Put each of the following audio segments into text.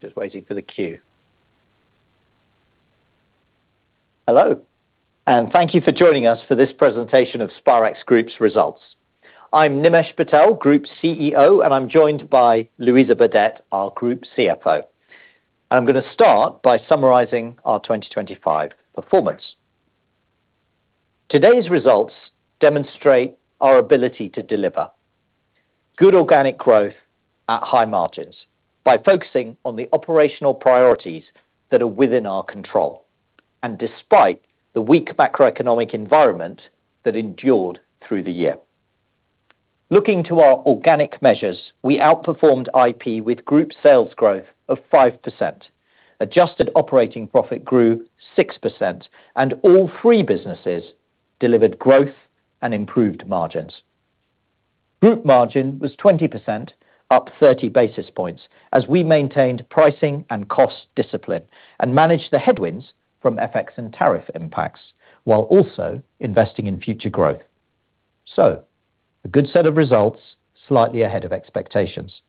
Just waiting for the cue. Hello, and thank you for joining us for this presentation of Spirax Group's results. I'm Nimesh Patel, Group CEO, and I'm joined by Louisa Burdett, our Group CFO. I'm gonna start by summarizing our 2025 performance. Today's results demonstrate our ability to deliver good organic growth at high margins by focusing on the operational priorities that are within our control, and despite the weak macroeconomic environment that endured through the year. Looking to our organic measures, we outperformed IP with group sales growth of 5%. Adjusted operating profit grew 6%, and all three businesses delivered growth and improved margins. Group margin was 20%, up 30 basis points as we maintained pricing and cost discipline and managed the headwinds from FX and tariff impacts while also investing in future growth. A good set of results, slightly ahead of expectations.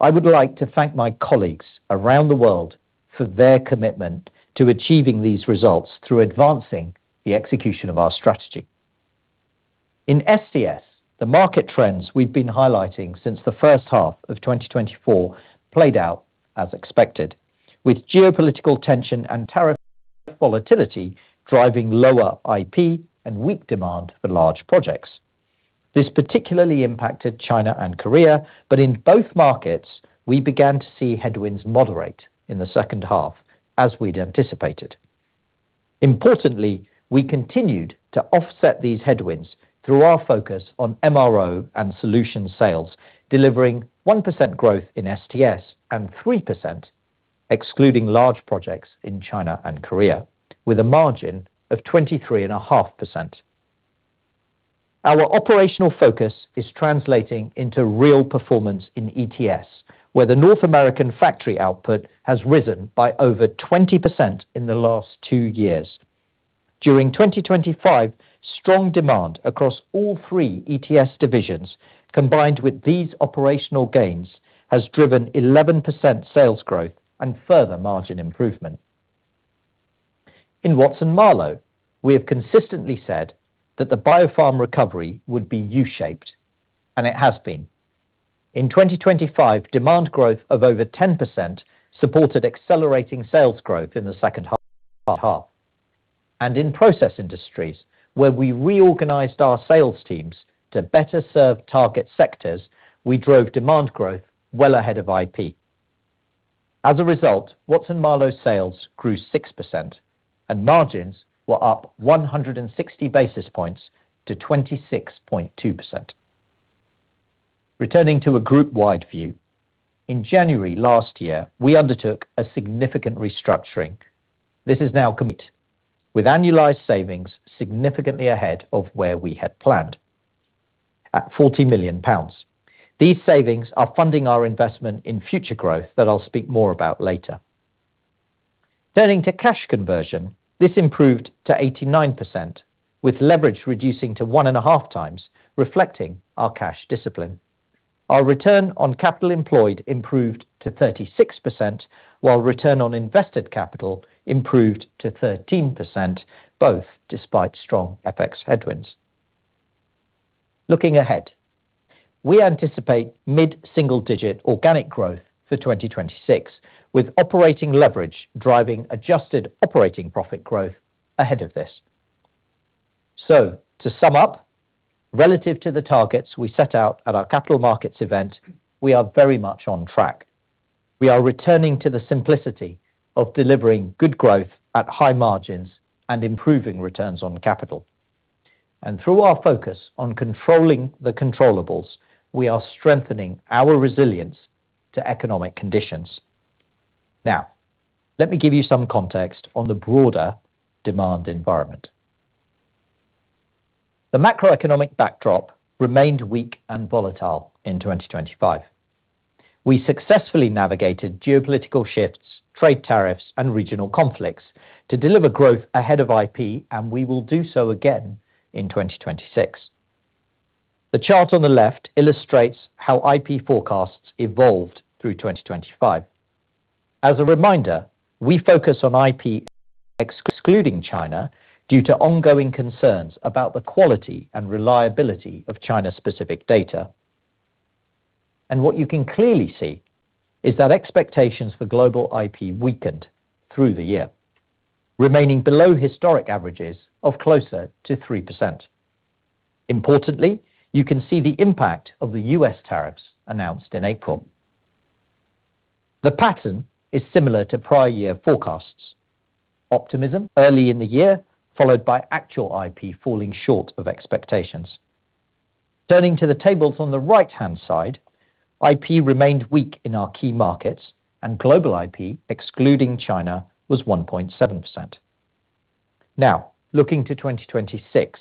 I would like to thank my colleagues around the world for their commitment to achieving these results through advancing the execution of our strategy. In STS, the market trends we've been highlighting since the first half of 2024 played out as expected, with geopolitical tension and tariff volatility driving lower IP and weak demand for large projects. This particularly impacted China and Korea, but in both markets, we began to see headwinds moderate in the second half, as we'd anticipated. Importantly, we continued to offset these headwinds through our focus on MRO and solution-sales, delivering 1% growth in STS and 3% excluding large projects in China and Korea with a margin of 23.5%. Our operational focus is translating into real performance in ETS, where the North American factory output has risen by over 20% in the last two years. During 2025, strong demand across all three ETS divisions, combined with these operational gains, has driven 11% sales growth and further margin improvement. In Watson-Marlow, we have consistently said that the Biopharm recovery would be U-shaped, and it has been. In 2025, demand growth of over 10% supported accelerating sales growth in the second half. In process industries, where we reorganized our sales teams to better serve target sectors, we drove demand growth well ahead of IP. As a result, Watson-Marlow sales grew 6%, and margins were up 160 basis points to 26.2%. Returning to a group-wide view, in January last year, we undertook a significant restructuring. This is now complete, with annualized savings significantly ahead of where we had planned at 40 million pounds. These savings are funding our investment in future growth that I'll speak more about later. Turning to cash conversion, this improved to 89%, with leverage reducing to 1.5x, reflecting our cash discipline. Our return on capital employed improved to 36%, while return on invested capital improved to 13%, both despite strong FX headwinds. Looking ahead, we anticipate mid-single-digit organic growth for 2026, with operating leverage driving adjusted operating profit growth ahead of this. To sum up, relative to the targets we set out at our Capital Markets Day, we are very much on track. We are returning to the simplicity of delivering good growth at high margins and improving returns on capital. Through our focus on controlling the controllables, we are strengthening our resilience to economic conditions. Now, let me give you some context on the broader demand environment. The macroeconomic backdrop remained weak and volatile in 2025. We successfully navigated geopolitical shifts, trade tariffs and regional conflicts to deliver growth ahead of IP, and we will do so again in 2026. The chart on the left illustrates how IP forecasts evolved through 2025. As a reminder, we focus on IP excluding China due to ongoing concerns about the quality and reliability of China's specific data. What you can clearly see is that expectations for global IP weakened through the year, remaining below historic averages of closer to 3%. Importantly, you can see the impact of the U.S. tariffs announced in April. The pattern is similar to prior year forecasts. Optimism early in the year, followed by actual IP falling short of expectations. Turning to the tables on the right-hand side, IP remained weak in our key markets and global IP, excluding China, was 1.7%. Now, looking to 2026,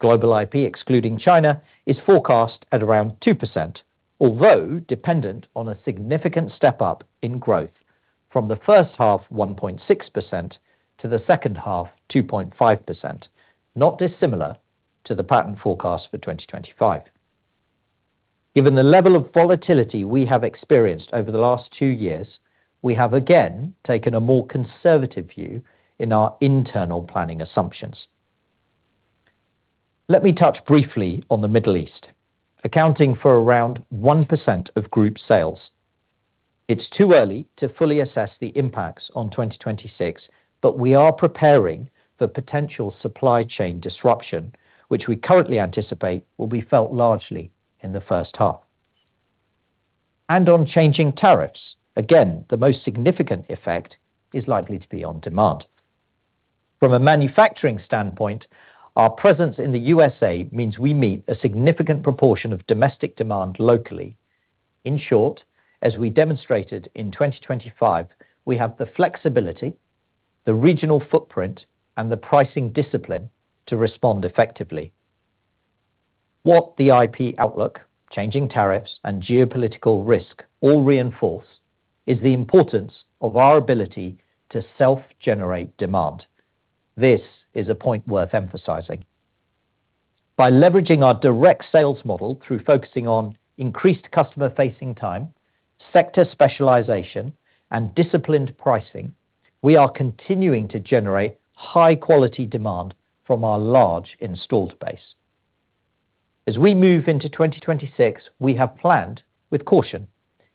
global IP, excluding China, is forecast at around 2%, although dependent on a significant step up in growth from the first half, 1.6% to the second half, 2.5%. Not dissimilar to the pattern forecast for 2025. Given the level of volatility we have experienced over the last two years, we have again taken a more conservative view in our internal planning assumptions. Let me touch briefly on the Middle East, accounting for around 1% of group sales. It's too early to fully assess the impacts on 2026, but we are preparing for potential supply chain disruption, which we currently anticipate will be felt largely in the first half. On changing tariffs, again, the most significant effect is likely to be on demand. From a manufacturing standpoint, our presence in the USA means we meet a significant proportion of domestic demand locally. In short, as we demonstrated in 2025, we have the flexibility, the regional footprint and the pricing discipline to respond effectively. What the IP outlook, changing tariffs and geopolitical risk all reinforce is the importance of our ability to self-generate demand. This is a point worth emphasizing. By leveraging our direct sales model through focusing on increased customer facing time, sector specialization and disciplined pricing, we are continuing to generate high quality demand from our large installed base. As we move into 2026, we have planned with caution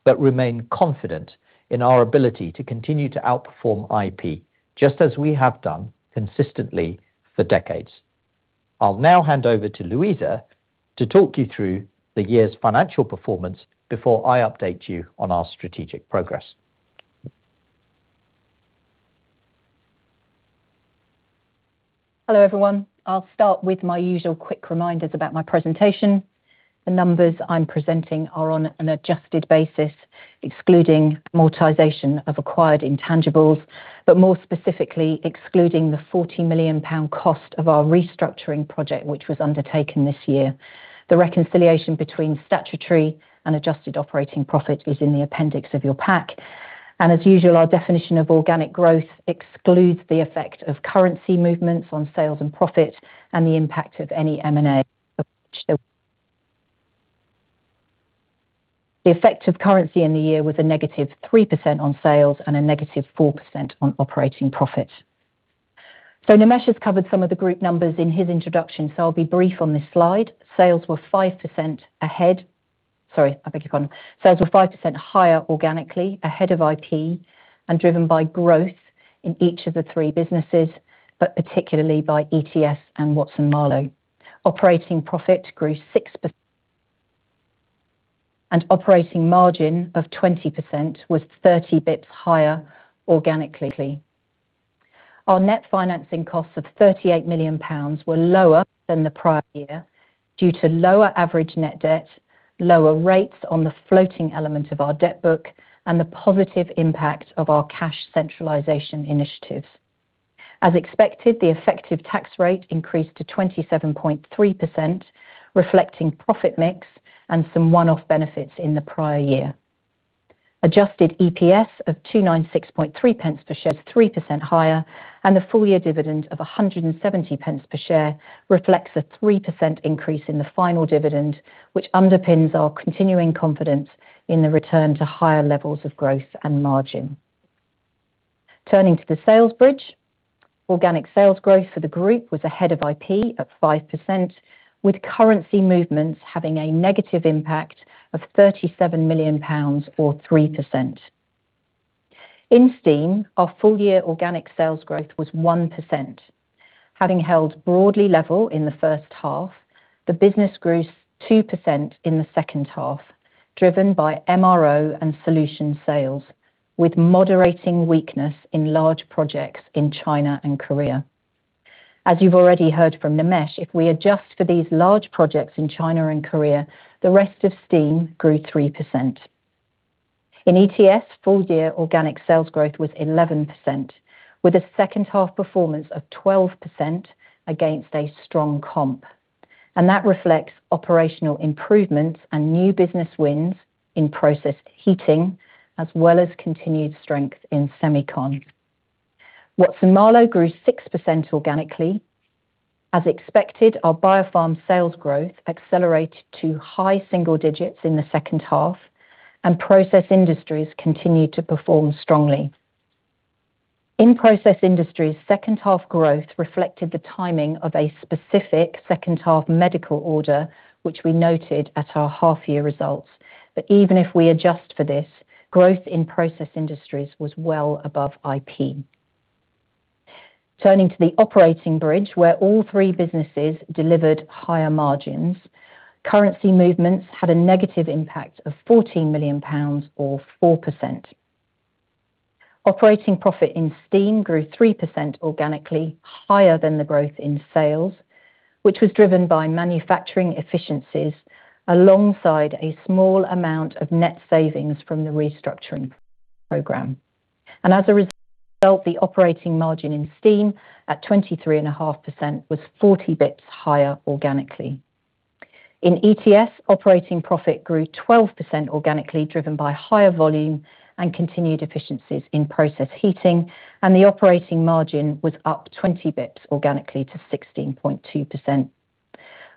but remain confident in our ability to continue to outperform IP, just as we have done consistently for decades. I'll now hand over to Louisa to talk you through the year's financial performance before I update you on our strategic progress. Hello, everyone. I'll start with my usual quick reminders about my presentation. The numbers I'm presenting are on an adjusted basis, excluding amortization of acquired intangibles, but more specifically excluding the 40 million pound cost of our restructuring project which was undertaken this year. The reconciliation between statutory and adjusted operating profit is in the appendix of your pack. As usual, our definition of organic growth excludes the effect of currency movements on sales and profit and the impact of any M&A. The effect of currency in the year was a -3% on sales and a -4% on operating profit. Nimesh has covered some of the group numbers in his introduction, so I'll be brief on this slide. Sales were 5% ahead. Sorry. I beg your pardon. Sales were 5% higher organically ahead of IP and driven by growth in each of the three businesses, but particularly by ETS and Watson-Marlow. Operating profit grew 6% and operating margin of 20% was 30 basis points higher organically. Our net financing costs of 38 million pounds were lower than the prior year due to lower average net debt, lower rates on the floating element of our debt book, and the positive impact of our cash centralization initiatives. As expected, the effective tax rate increased to 27.3%, reflecting profit mix and some one-off benefits in the prior year. Adjusted EPS of 2.963 per share, 3% higher, and the full year dividend of 1.70 per share reflects a 3% increase in the final dividend, which underpins our continuing confidence in the return to higher levels of growth and margin. Turning to the sales bridge. Organic sales growth for the group was ahead of IP at 5%, with currency movements having a negative impact of 37 million pounds or 3%. In Steam, our full year organic sales growth was 1%. Having held broadly level in the first half, the business grew 2% in the second half, driven by MRO and solution-sales, with moderating weakness in large projects in China and Korea. As you've already heard from Nimesh, if we adjust for these large projects in China and Korea, the rest of Steam grew 3%. In ETS, full year organic sales growth was 11%, with a second half performance of 12% against a strong comp. That reflects operational improvements and new business wins in process heating as well as continued strength in Semicon. Watson-Marlow grew 6% organically. As expected, our Biopharm sales growth accelerated to high single digits in the second half, and process industries continued to perform strongly. In process industries, second half growth reflected the timing of a specific second half medical order, which we noted at our half year results. Even if we adjust for this, growth in process industries was well above IP. Turning to the operating bridge where all three businesses delivered higher margins, currency movements had a negative impact of 14 million pounds or 4%. Operating profit in Steam grew 3% organically higher than the growth in sales, which was driven by manufacturing efficiencies alongside a small amount of net savings from the restructuring program. As a result, the operating margin in Steam at 23.5% was 40 basis points higher organically. In ETS, operating profit grew 12% organically, driven by higher volume and continued efficiencies in process heating, and the operating margin was up 20 basis points organically to 16.2%.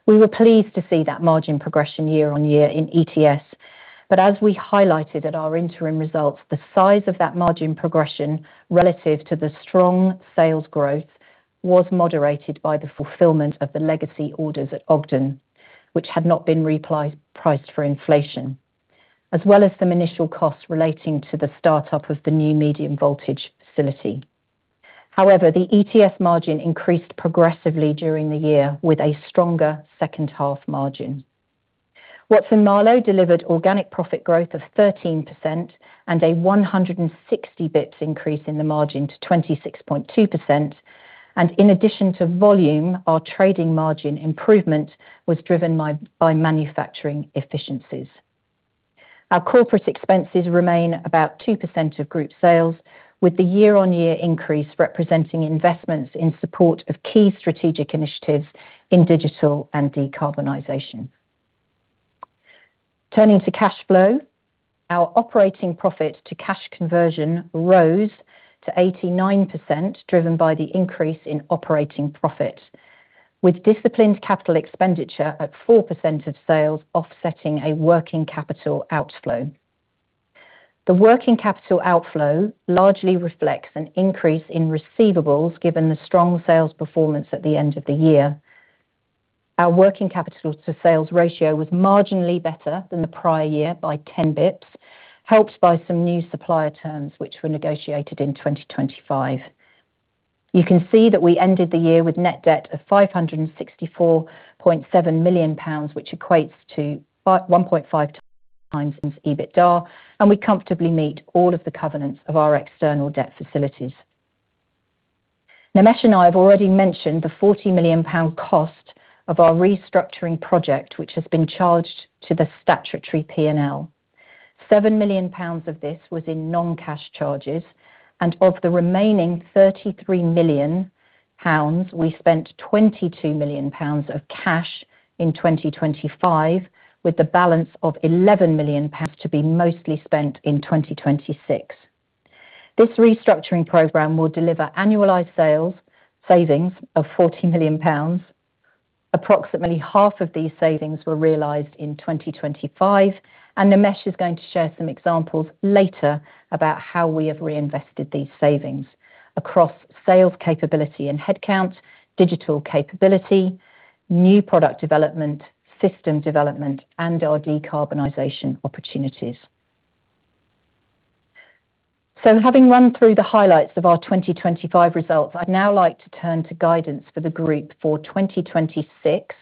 We were pleased to see that margin progression year-on-year in ETS. As we highlighted at our interim results, the size of that margin progression relative to the strong sales growth was moderated by the fulfillment of the legacy orders at Ogden, which had not been repriced for inflation, as well as some initial costs relating to the startup of the new medium voltage facility. However, the ETS margin increased progressively during the year with a stronger second half margin. Watson-Marlow delivered organic profit growth of 13% and a 160 basis points increase in the margin to 26.2%. In addition to volume, our trading margin improvement was driven by manufacturing efficiencies. Our corporate expenses remain about 2% of group sales, with the year-on-year increase representing investments in support of key strategic initiatives in digital and decarbonization. Turning to cash flow, our operating profit to cash conversion rose to 89%, driven by the increase in operating profit, with disciplined capital expenditure at 4% of sales offsetting a working capital outflow. The working capital outflow largely reflects an increase in receivables given the strong sales performance at the end of the year. Our working capital to sales ratio was marginally better than the prior year by 10 bps, helped by some new supplier terms which were negotiated in 2025. You can see that we ended the year with net debt of 564.7 million pounds, which equates to 1.5x EBITDA, and we comfortably meet all of the covenants of our external debt facilities. Nimesh and I have already mentioned the 40 million pound cost of our restructuring project, which has been charged to the statutory P&L. 7 million pounds of this was in non-cash charges, and of the remaining 33 million pounds, we spent 22 million pounds of cash in 2025, with the balance of 11 million to be mostly spent in 2026. This restructuring program will deliver annualized sales savings of 40 million pounds. Approximately half of these savings were realized in 2025, and Nimesh is going to share some examples later about how we have reinvested these savings across sales capability and headcount, digital capability, new product development, system development, and our decarbonization opportunities. Having run through the highlights of our 2025 results, I'd now like to turn to guidance for the group for 2026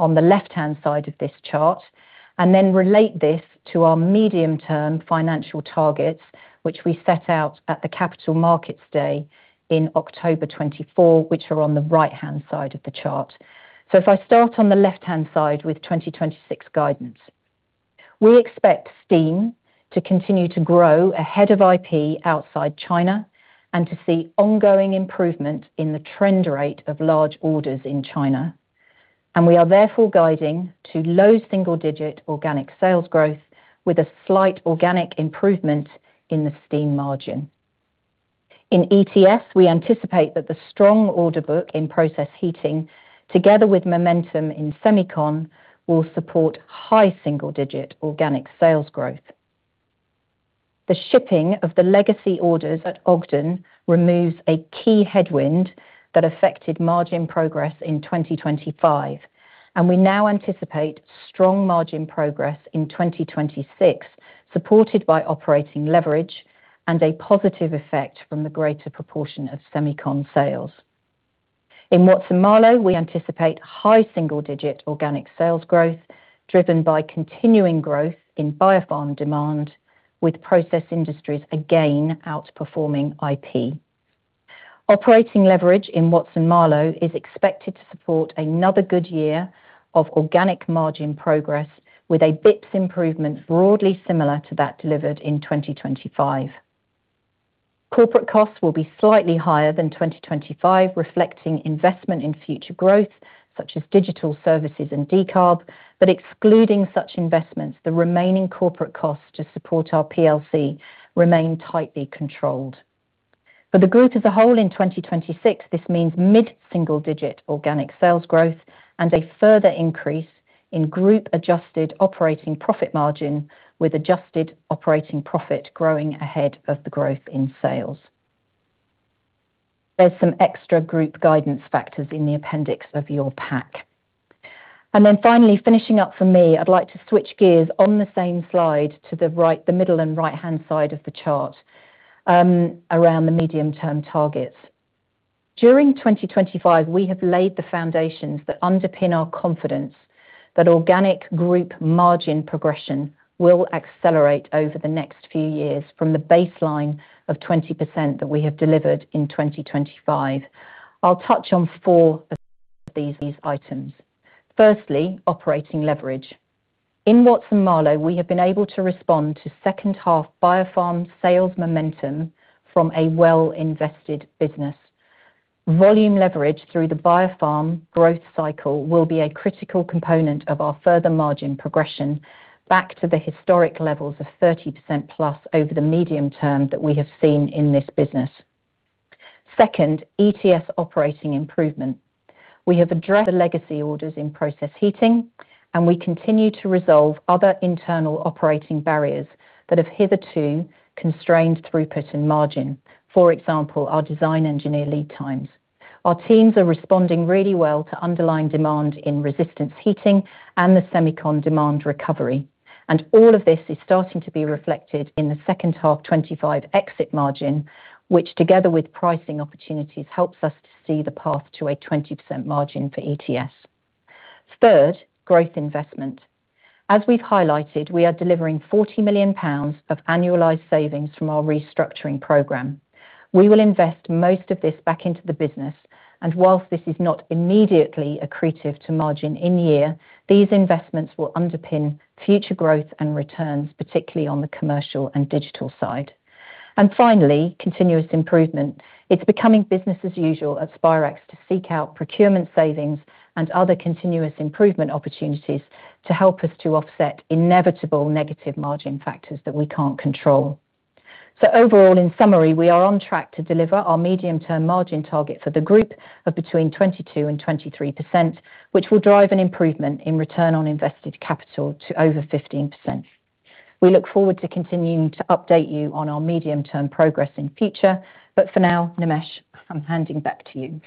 on the left-hand side of this chart, and then relate this to our medium-term financial targets, which we set out at the Capital Markets Day in October 2024, which are on the right-hand side of the chart. If I start on the left-hand side with 2026 guidance. We expect steam to continue to grow ahead of IP outside China and to see ongoing improvement in the trend rate of large orders in China. We are therefore guiding to low single-digit organic sales growth with a slight organic improvement in the steam margin. In ETS, we anticipate that the strong order book in process heating, together with momentum in Semicon, will support high single-digit organic sales growth. The shipping of the legacy orders at Ogden removes a key headwind that affected margin progress in 2025, and we now anticipate strong margin progress in 2026, supported by operating leverage and a positive effect from the greater proportion of Semicon sales. In Watson-Marlow, we anticipate high single-digit organic sales growth driven by continuing growth in Biopharm demand, with process industries again outperforming IP. Operating leverage in Watson-Marlow is expected to support another good year of organic margin progress with a bps improvement broadly similar to that delivered in 2025. Corporate costs will be slightly higher than 2025, reflecting investment in future growth, such as digital services and decarb, but excluding such investments, the remaining corporate costs to support our PLC remain tightly controlled. For the group as a whole in 2026, this means mid-single-digit organic sales growth and a further increase in group adjusted operating profit margin with adjusted operating profit growing ahead of the growth in sales. There's some extra group guidance factors in the appendix of your pack. Finally, finishing up for me, I'd like to switch gears on the same slide to the right, the middle and right-hand side of the chart, around the medium-term targets. During 2025, we have laid the foundations that underpin our confidence that organic group margin progression will accelerate over the next few years from the baseline of 20% that we have delivered in 2025. I'll touch on four of these items. Firstly, operating leverage. In Watson-Marlow, we have been able to respond to second half Biopharm sales momentum from a well-invested business. Volume leverage through the Biopharm growth cycle will be a critical component of our further margin progression back to the historic levels of 30%+ over the medium term that we have seen in this business. Second, ETS operating improvement. We have addressed the legacy orders in process heating, and we continue to resolve other internal operating barriers that have hitherto constrained throughput and margin. For example, our design engineer lead times. Our teams are responding really well to underlying demand in resistance heating and the Semicon demand recovery. All of this is starting to be reflected in the second half 2025 exit margin, which together with pricing opportunities, helps us to see the path to a 20% margin for ETS. Third, growth investment. As we've highlighted, we are delivering 40 million pounds of annualized savings from our restructuring program. We will invest most of this back into the business, and while this is not immediately accretive to margin in year, these investments will underpin future growth and returns, particularly on the commercial and digital side. Finally, continuous improvement. It's becoming business as usual at Spirax to seek out procurement savings and other continuous improvement opportunities to help us to offset inevitable negative margin factors that we can't control. Overall, in summary, we are on track to deliver our medium-term margin target for the group of between 22% and 23%, which will drive an improvement in return on invested capital to over 15%. We look forward to continuing to update you on our medium-term progress in future. For now, Nimesh, I'm handing back to you.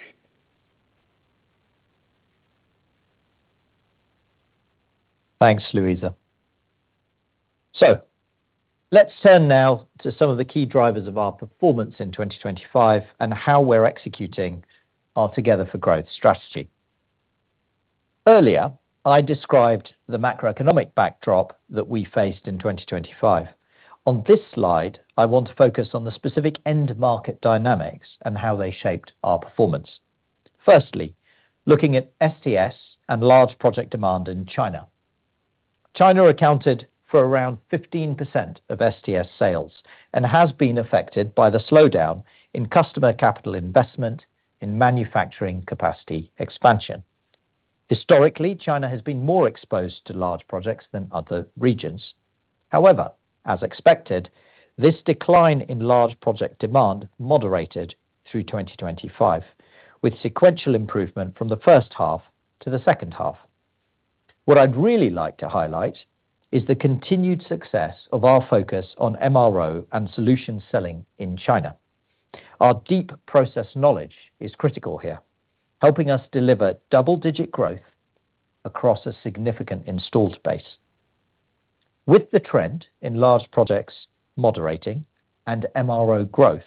Thanks, Louisa. Let's turn now to some of the key drivers of our performance in 2025 and how we're executing our Together for Growth strategy. Earlier, I described the macroeconomic backdrop that we faced in 2025. On this slide, I want to focus on the specific end market dynamics and how they shaped our performance. Firstly, looking at STS and large project demand in China. China accounted for around 15% of STS sales and has been affected by the slowdown in customer capital investment in manufacturing capacity expansion. Historically, China has been more exposed to large projects than other regions. However, as expected, this decline in large project demand moderated through 2025, with sequential improvement from the first half to the second half. What I'd really like to highlight is the continued success of our focus on MRO and solution-selling in China. Our deep process knowledge is critical here, helping us deliver double-digit growth across a significant installed base. With the trend in large projects moderating and MRO growth,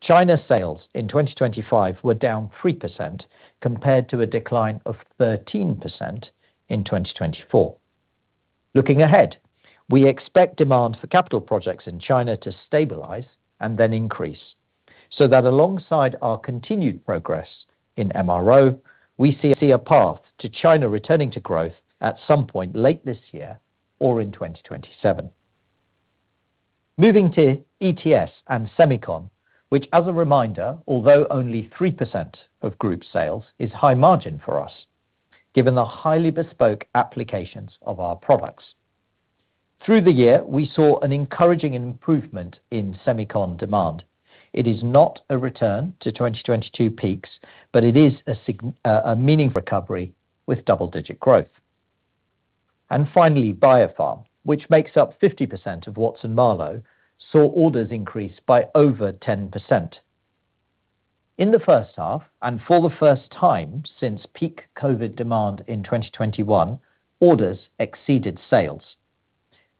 China sales in 2025 were down 3% compared to a decline of 13% in 2024. Looking ahead, we expect demand for capital projects in China to stabilize and then increase, so that alongside our continued progress in MRO, we see a path to China returning to growth at some point late this year or in 2027. Moving to ETS and Semicon, which as a reminder, although only 3% of group sales is high margin for us, given the highly bespoke applications of our products. Through the year, we saw an encouraging improvement in Semicon demand. It is not a return to 2022 peaks, but it is a sign, a meaningful recovery with double-digit growth. Finally, Biopharm, which makes up 50% of Watson-Marlow, saw orders increase by over 10%. In the first half and for the first time since peak COVID demand in 2021, orders exceeded sales.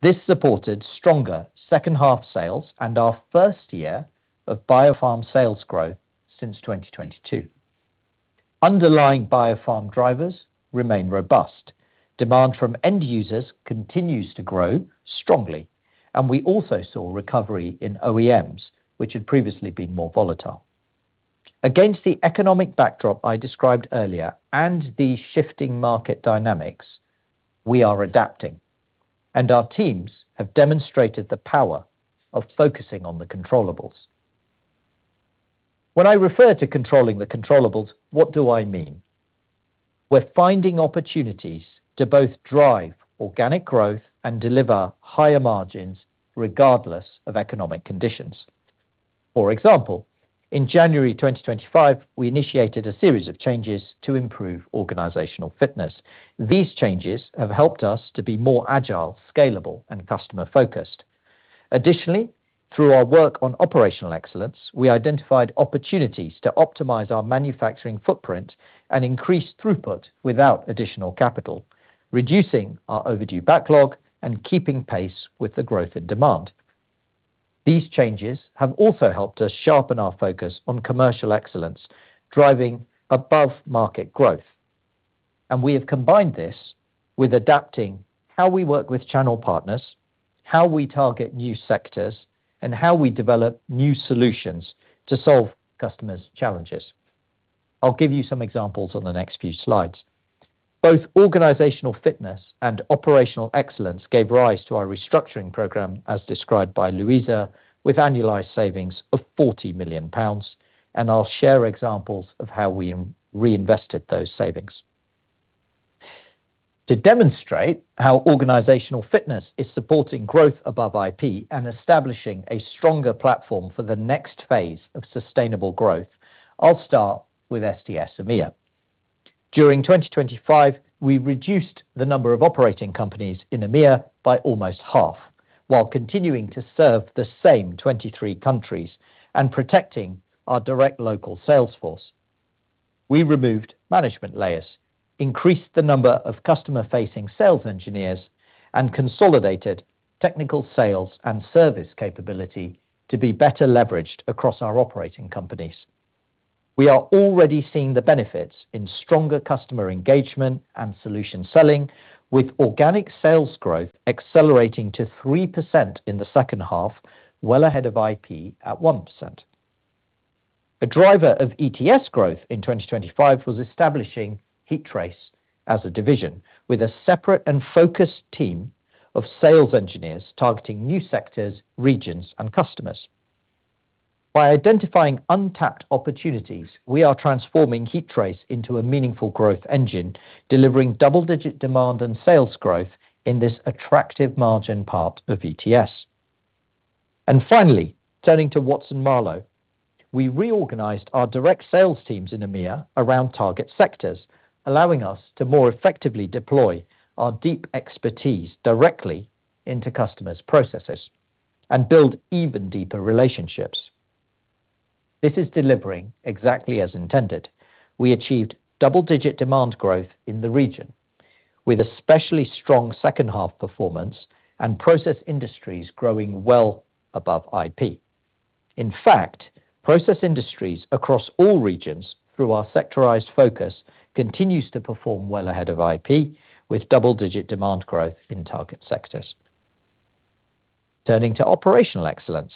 This supported stronger second half sales and our first year of Biopharm sales growth since 2022. Underlying Biopharm drivers remain robust. Demand from end users continues to grow strongly, and we also saw recovery in OEMs, which had previously been more volatile. Against the economic backdrop I described earlier and the shifting market dynamics, we are adapting, and our teams have demonstrated the power of focusing on the controllables. When I refer to controlling the controllables, what do I mean? We're finding opportunities to both drive organic growth and deliver higher margins regardless of economic conditions. For example, in January 2025, we initiated a series of changes to improve organizational fitness. These changes have helped us to be more agile, scalable, and customer-focused. Additionally, through our work on operational excellence, we identified opportunities to optimize our manufacturing footprint and increase throughput without additional capital, reducing our overdue backlog and keeping pace with the growth in demand. These changes have also helped us sharpen our focus on commercial excellence, driving above-market growth. We have combined this with adapting how we work with channel partners, how we target new sectors, and how we develop new solutions to solve customers' challenges. I'll give you some examples on the next few slides. Both organizational fitness and operational excellence gave rise to our restructuring program as described by Louisa, with annualized savings of 40 million pounds, and I'll share examples of how we reinvested those savings. To demonstrate how organizational fitness is supporting growth above IP and establishing a stronger platform for the next phase of sustainable growth, I'll start with STS EMEA. During 2025, we reduced the number of operating companies in EMEA by almost half while continuing to serve the same 23 countries and protecting our direct local sales force. We removed management layers, increased the number of customer-facing sales engineers, and consolidated technical sales and service capability to be better leveraged across our operating companies. We are already seeing the benefits in stronger customer engagement and solution-selling with organic sales growth accelerating to 3% in the second half, well ahead of IP at 1%. A driver of ETS growth in 2025 was establishing heat trace as a division with a separate and focused team of sales engineers targeting new sectors, regions and customers. By identifying untapped opportunities, we are transforming heat trace into a meaningful growth engine, delivering double-digit demand and sales growth in this attractive margin part of ETS. Finally, turning to Watson-Marlow, we reorganized our direct sales teams in EMEA around target sectors, allowing us to more effectively deploy our deep expertise directly into customers processes and build even deeper relationships. This is delivering exactly as intended. We achieved double-digit demand growth in the region with especially strong second half performance and process industries growing well above IP. In fact, process industries across all regions through our sectorized focus continues to perform well ahead of IP with double-digit demand growth in target sectors. Turning to operational excellence.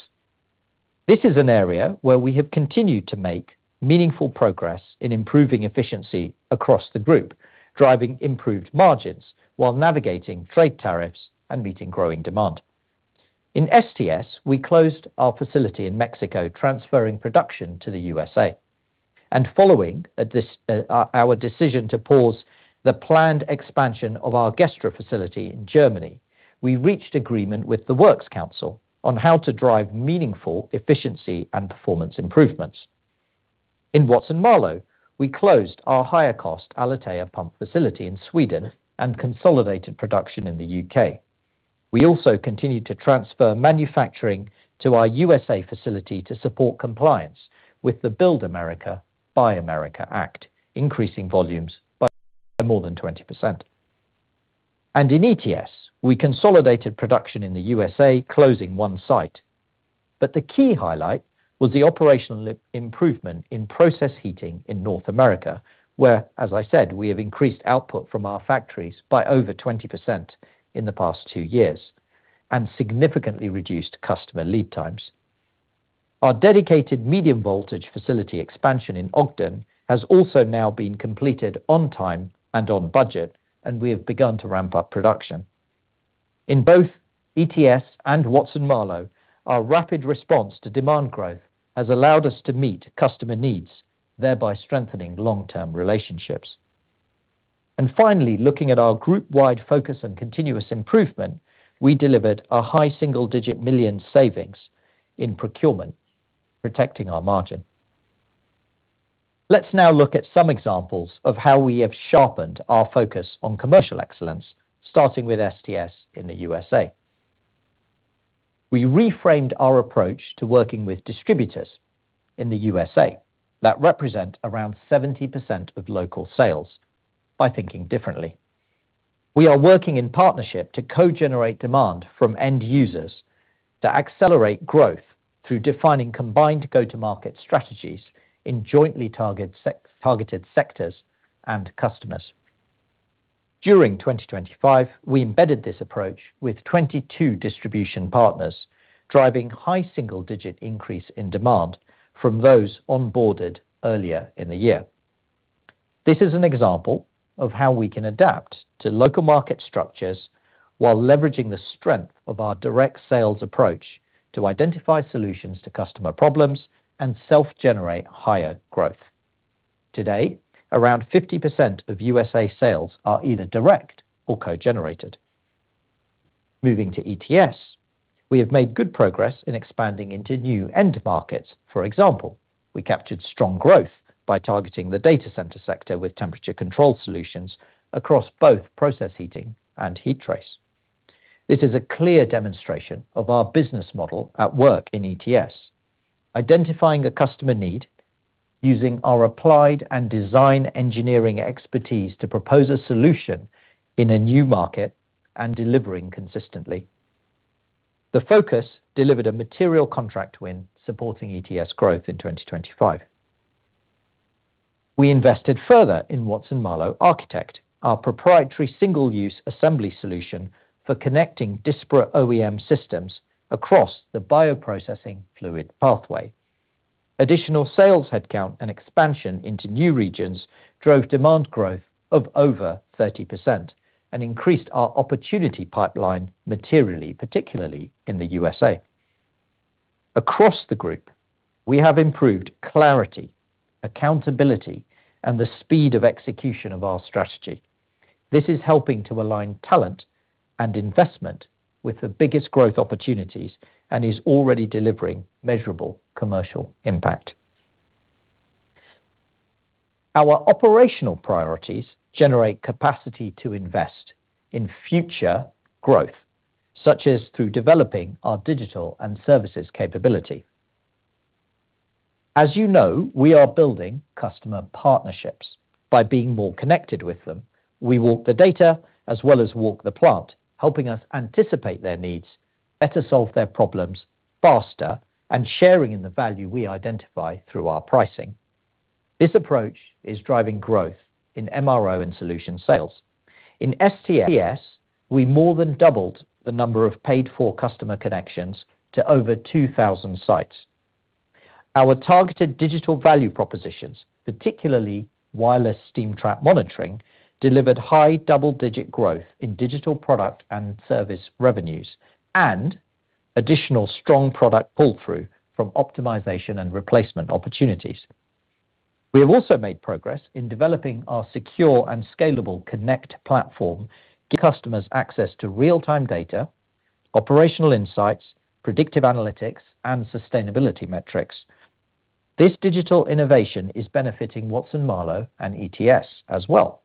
This is an area where we have continued to make meaningful progress in improving efficiency across the group, driving improved margins while navigating trade tariffs and meeting growing demand. In STS, we closed our facility in Mexico, transferring production to the USA. Following this, our decision to pause the planned expansion of our Gestra facility in Germany, we reached agreement with the Works Council on how to drive meaningful efficiency and performance improvements. In Watson-Marlow, we closed our higher cost Alitea pump facility in Sweden and consolidated production in the U.K. We also continued to transfer manufacturing to our USA facility to support compliance with the Build America, Buy America Act, increasing volumes by more than 20%. In ETS, we consolidated production in the USA, closing one site. The key highlight was the operational improvement in process heating in North America, where, as I said, we have increased output from our factories by over 20% in the past two years and significantly reduced customer lead times. Our dedicated medium voltage facility expansion in Ogden has also now been completed on time and on budget, and we have begun to ramp up production. In both ETS and Watson-Marlow, our rapid response to demand growth has allowed us to meet customer needs, thereby strengthening long-term relationships. Finally, looking at our group-wide focus and continuous improvement, we delivered a high single-digit million GBP savings in procurement, protecting our margin. Let's now look at some examples of how we have sharpened our focus on commercial excellence, starting with STS in the USA. We reframed our approach to working with distributors in the USA that represent around 70% of local sales by thinking differently. We are working in partnership to co-generate demand from end users to accelerate growth through defining combined go-to-market strategies in jointly targeted sectors and customers. During 2025, we embedded this approach with 22 distribution partners, driving high single-digit increase in demand from those onboarded earlier in the year. This is an example of how we can adapt to local market structures while leveraging the strength of our direct sales approach to identify solutions to customer problems and self-generate higher growth. Today, around 50% of USA sales are either direct or co-generated. Moving to ETS. We have made good progress in expanding into new end markets. For example, we captured strong growth by targeting the data center sector with temperature control solutions across both process heating and heat trace. This is a clear demonstration of our business model at work in ETS. Identifying a customer need using our applied and design engineering expertise to propose a solution in a new market and delivering consistently. The focus delivered a material contract win supporting ETS growth in 2025. We invested further in WMArchitect, our proprietary single-use assembly solution for connecting disparate OEM systems across the bioprocessing fluid pathway. Additional sales headcount and expansion into new regions drove demand growth of over 30% and increased our opportunity pipeline materially, particularly in the USA. Across the group, we have improved clarity, accountability, and the speed of execution of our strategy. This is helping to align talent and investment with the biggest growth opportunities and is already delivering measurable commercial impact. Our operational priorities generate capacity to invest in future growth, such as through developing our digital and services capability. As you know, we are building customer partnerships by being more connected with them. We walk the data as well as walk the plant, helping us anticipate their needs, better solve their problems faster and sharing in the value we identify through our pricing. This approach is driving growth in MRO and solution-sales. In STS, we more than doubled the number of paid-for customer connections to over 2,000 sites. Our targeted digital value propositions, particularly wireless steam trap monitoring, delivered high double-digit growth in digital product and service revenues and additional strong product pull-through from optimization and replacement opportunities. We have also made progress in developing our secure and scalable CONNECT platform, giving customers access to real-time data, operational insights, predictive analytics and sustainability metrics. This digital innovation is benefiting Watson-Marlow and ETS as well.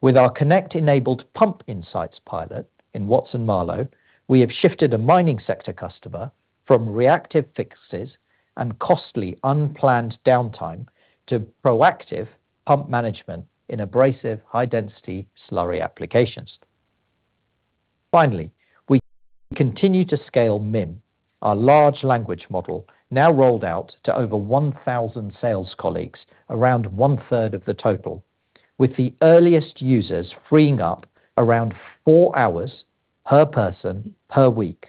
With our connect-enabled pump insights pilot in Watson-Marlow, we have shifted a mining sector customer from reactive fixes and costly unplanned downtime to proactive pump management in abrasive high density slurry applications. Finally, we continue to scale MiM, our large language model now rolled out to over 1,000 sales colleagues around one third of the total, with the earliest users freeing up around four hours per person per week,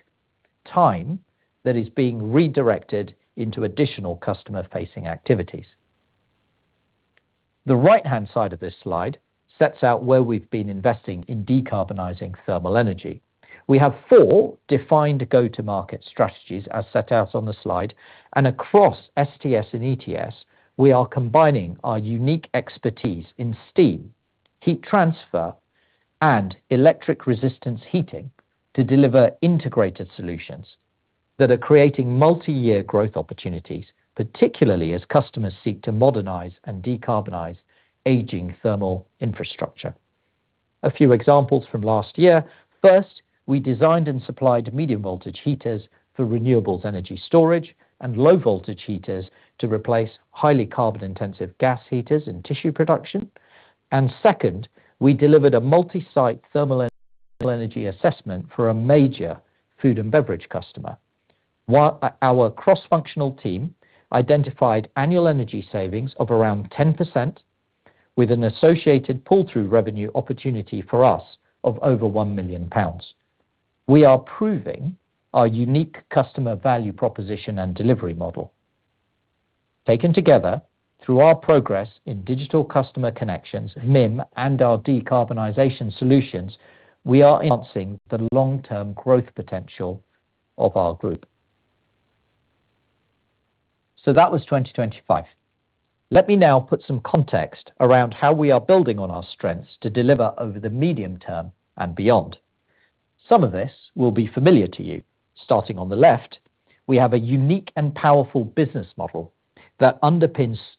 time that is being redirected into additional customer facing activities. The right-hand side of this slide sets out where we've been investing in decarbonizing thermal energy. We have four defined go-to-market strategies as set out on the slide and across STS and ETS, we are combining our unique expertise in steam, heat transfer and electric resistance heating to deliver integrated solutions that are creating multi-year growth opportunities, particularly as customers seek to modernize and decarbonize aging thermal infrastructure. A few examples from last year. First, we designed and supplied medium voltage heaters for renewables energy storage, and low voltage heaters to replace highly carbon-intensive gas heaters in tissue production. Second, we delivered a multi-site thermal energy assessment for a major food and beverage customer. Our cross-functional team identified annual energy savings of around 10% with an associated pull-through revenue opportunity for us of over 1 million pounds. We are proving our unique customer value proposition and delivery model. Taken together through our progress in digital customer connections, MiM, and our decarbonization solutions, we are enhancing the long term growth potential of our group. That was 2025. Let me now put some context around how we are building on our strengths to deliver over the medium term and beyond. Some of this will be familiar to you. Starting on the left, we have a unique and powerful business model that underpins three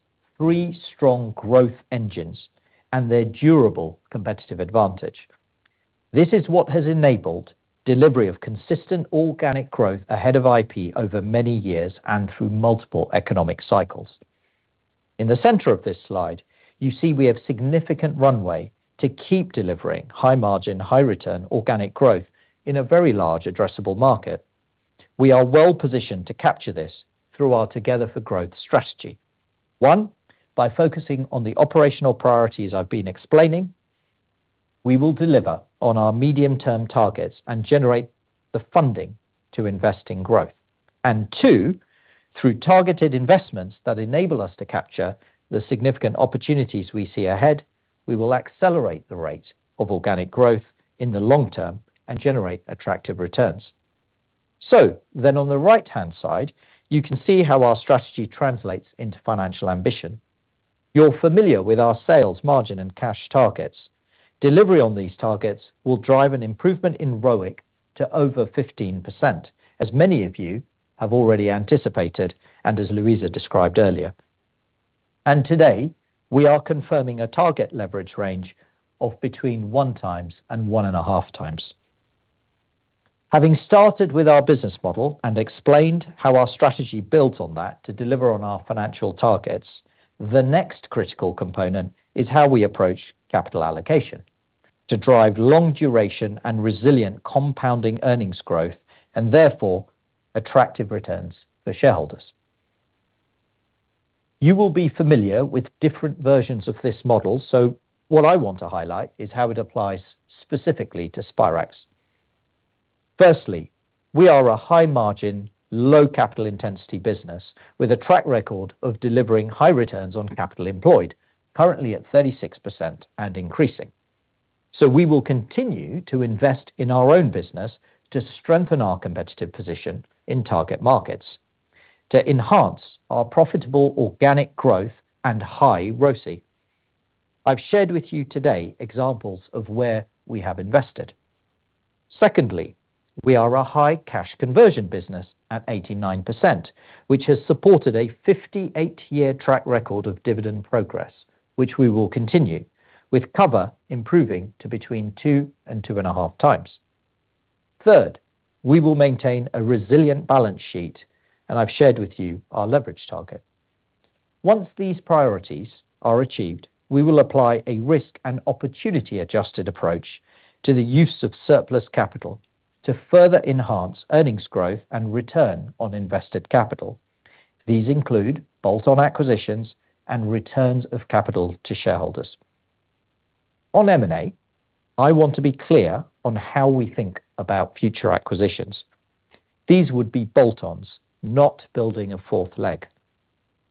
strong growth engines and their durable competitive advantage. This is what has enabled delivery of consistent organic growth ahead of IP over many years and through multiple economic cycles. In the center of this slide, you see we have significant runway to keep delivering high margin, high return organic growth in a very large addressable market. We are well positioned to capture this through our Together for Growth strategy. One, by focusing on the operational priorities I've been explaining, we will deliver on our medium-term targets and generate the funding to invest in growth. Two, through targeted investments that enable us to capture the significant opportunities we see ahead, we will accelerate the rate of organic growth in the long term and generate attractive returns. On the right-hand side, you can see how our strategy translates into financial ambition. You're familiar with our sales margin and cash targets. Delivery on these targets will drive an improvement in ROIC to over 15% as many of you have already anticipated, and as Louisa described earlier. Today we are confirming a target leverage range of between 1x and 1.5x. Having started with our business model and explained how our strategy builds on that to deliver on our financial targets, the next critical component is how we approach capital allocation to drive long duration and resilient compounding earnings growth and therefore attractive returns for shareholders. You will be familiar with different versions of this model, so what I want to highlight is how it applies specifically to Spirax. Firstly, we are a high margin, low capital intensity business with a track record of delivering high returns on capital employed, currently at 36% and increasing. We will continue to invest in our own business to strengthen our competitive position in target markets to enhance our profitable organic growth and high ROCE. I've shared with you today examples of where we have invested. Secondly, we are a high cash conversion business at 89%, which has supported a 58-year track record of dividend progress, which we will continue with cover improving to between 2x and 2.5x. Third, we will maintain a resilient balance sheet, and I've shared with you our leverage target. Once these priorities are achieved, we will apply a risk and opportunity adjusted approach to the use of surplus capital to further enhance earnings growth and return on invested capital. These include bolt-on acquisitions and returns of capital to shareholders. On M&A, I want to be clear on how we think about future acquisitions. These would be bolt-ons, not building a fourth leg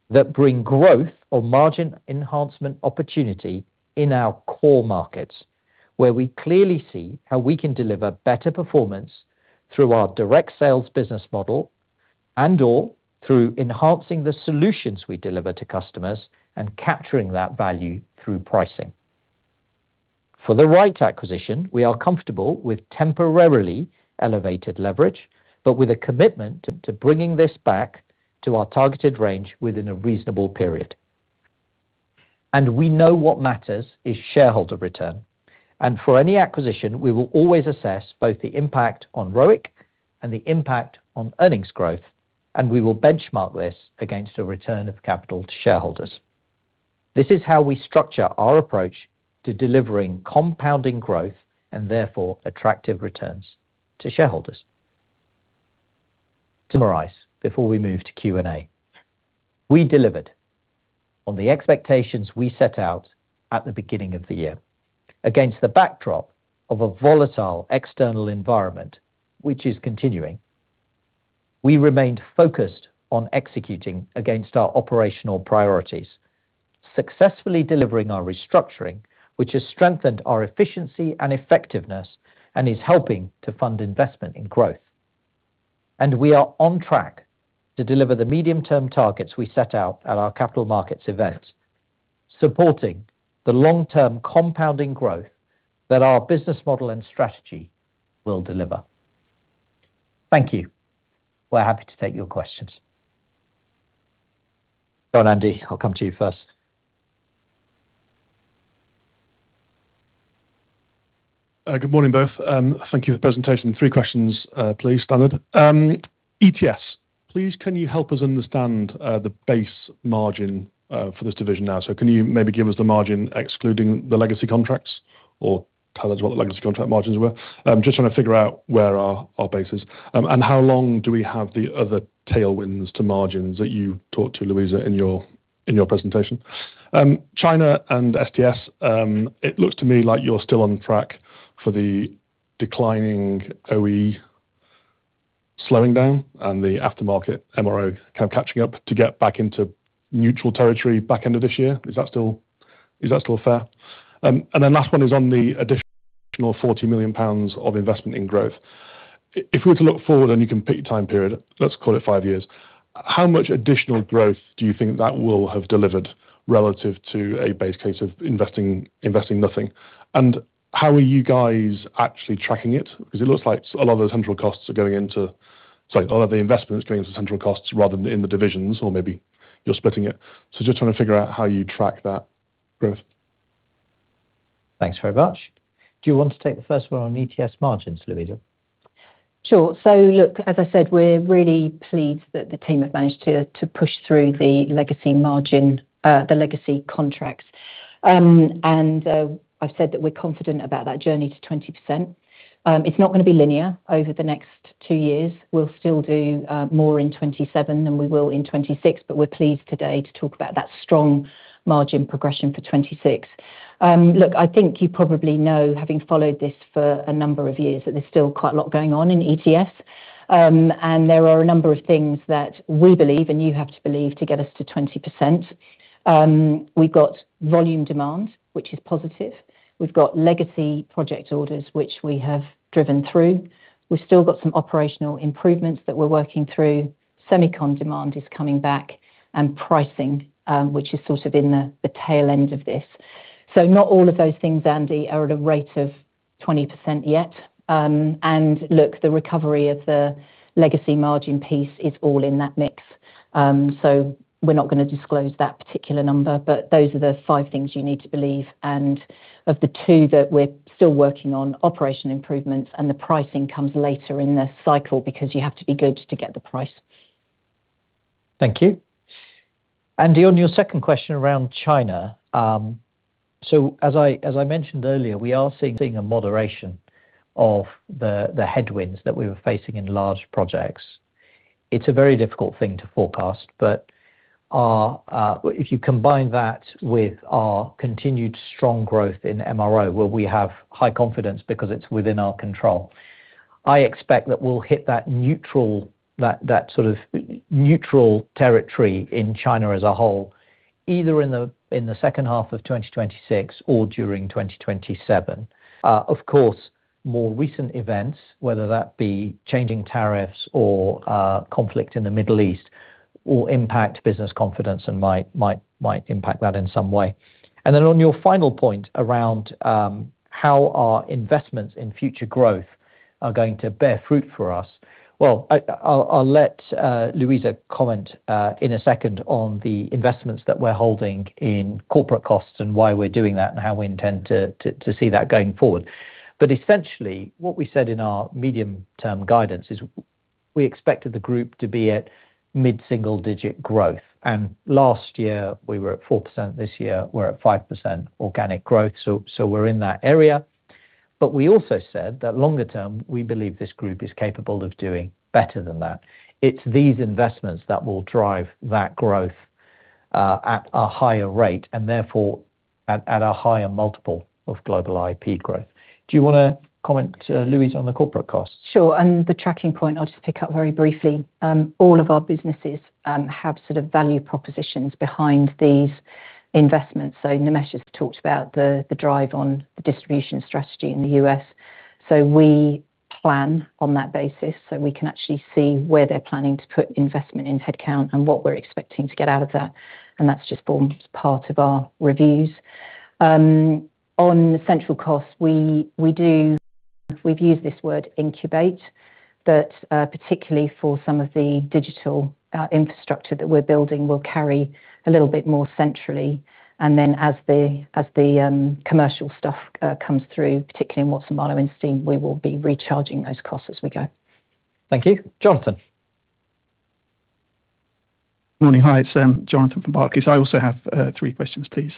that bring growth or margin enhancement opportunity in our core markets, where we clearly see how we can deliver better performance through our direct sales business model and/or through enhancing the solutions we deliver to customers and capturing that value through pricing. For the right acquisition, we are comfortable with temporarily elevated leverage, but with a commitment to bringing this back to our targeted range within a reasonable period. We know what matters is shareholder return. For any acquisition, we will always assess both the impact on ROIC and the impact on earnings growth, and we will benchmark this against a return of capital to shareholders. This is how we structure our approach to delivering compounding growth and therefore attractive returns to shareholders. To summarize, before we move to Q&A, we delivered on the expectations we set out at the beginning of the year against the backdrop of a volatile external environment which is continuing. We remained focused on executing against our operational priorities, successfully delivering our restructuring, which has strengthened our efficiency and effectiveness and is helping to fund investment in growth. We are on track to deliver the medium-term targets we set out at our Capital Markets Event, supporting the long-term compounding growth that our business model and strategy will deliver. Thank you. We're happy to take your questions. Go on, Andy, I'll come to you first. Good morning, both. Thank you for the presentation. Three questions, please. Standard. ETS, please can you help us understand the base margin for this division now? So can you maybe give us the margin excluding the legacy contracts, or tell us what the legacy contract margins were? I'm just trying to figure out where our base is and how long do we have the other tailwinds to margins that you talked to, Louisa, in your presentation. China and STS, it looks to me like you're still on track for the declining OEM slowing down and the aftermarket MRO kind of catching up to get back into neutral territory back end of this year. Is that still fair? Then last one is on the additional 40 million pounds of investment in growth. If we were to look forward and you can pick your time period, let's call it five years, how much additional growth do you think that will have delivered relative to a base case of investing nothing? How are you guys actually tracking it? Because it looks like a lot of the investment is going into central costs rather than in the divisions or maybe you're splitting it. Just trying to figure out how you track that growth. Thanks very much. Do you want to take the first one on ETS margins, Louisa? Sure. Look, as I said, we're really pleased that the team have managed to push through the legacy contracts. I've said that we're confident about that journey to 20%. It's not going to be linear over the next two years. We'll still do more in 2027 than we will in 2026, but we're pleased today to talk about that strong margin progression for 2026. Look, I think you probably know, having followed this for a number of years, that there's still quite a lot going on in ETS, and there are a number of things that we believe and you have to believe to get us to 20%. We've got volume demand, which is positive. We've got legacy project orders, which we have driven through. We've still got some operational improvements that we're working through. Semicon demand is coming back and pricing, which is in the tail end of this. Not all of those things, Andy, are at a rate of 20% yet. Look, the recovery of the legacy margin piece is all in that mix. We're not gonna disclose that particular number, but those are the five things you need to believe. Of the two that we're still working on, operation improvements and the pricing comes later in the cycle because you have to be good to get the price. Thank you. Andy, on your second question around China. As I mentioned earlier, we are seeing a moderation of the headwinds that we were facing in large projects. It's a very difficult thing to forecast, but if you combine that with our continued strong growth in MRO, where we have high confidence because it's within our control, I expect that we'll hit that neutral, that neutral territory in China as a whole, either in the second half of 2026 or during 2027. Of course, more recent events, whether that be changing tariffs or conflict in the Middle East, will impact business confidence and might impact that in some way. On your final point around how our investments in future growth are going to bear fruit for us. Well, I'll let Louisa comment in a second on the investments that we're holding in corporate costs and why we're doing that and how we intend to see that going forward. Essentially, what we said in our medium-term guidance is we expected the group to be at mid-single-digit growth. Last year, we were at 4%, this year, we're at 5% organic growth. We're in that area. We also said that longer term, we believe this group is capable of doing better than that. It's these investments that will drive that growth at a higher rate and therefore at a higher multiple of global IP growth. Do you wanna comment, Louisa, on the corporate costs? Sure. The tracking point, I'll just pick up very briefly. All of our businesses have value propositions behind these investments. Nimesh has talked about the drive on the distribution strategy in the U.S.. We plan on that basis, so we can actually see where they're planning to put investment in headcount and what we're expecting to get out of that. That's just formed as part of our reviews. On the central cost, we do. We've used this word incubate, but particularly for some of the digital infrastructure that we're building will carry a little bit more centrally. Then as the commercial stuff comes through, particularly in Watson-Marlow and Steam, we will be recharging those costs as we go. Thank you, Jonathan. Morning. Hi, it's Jonathan from Barclays. I also have three questions, please.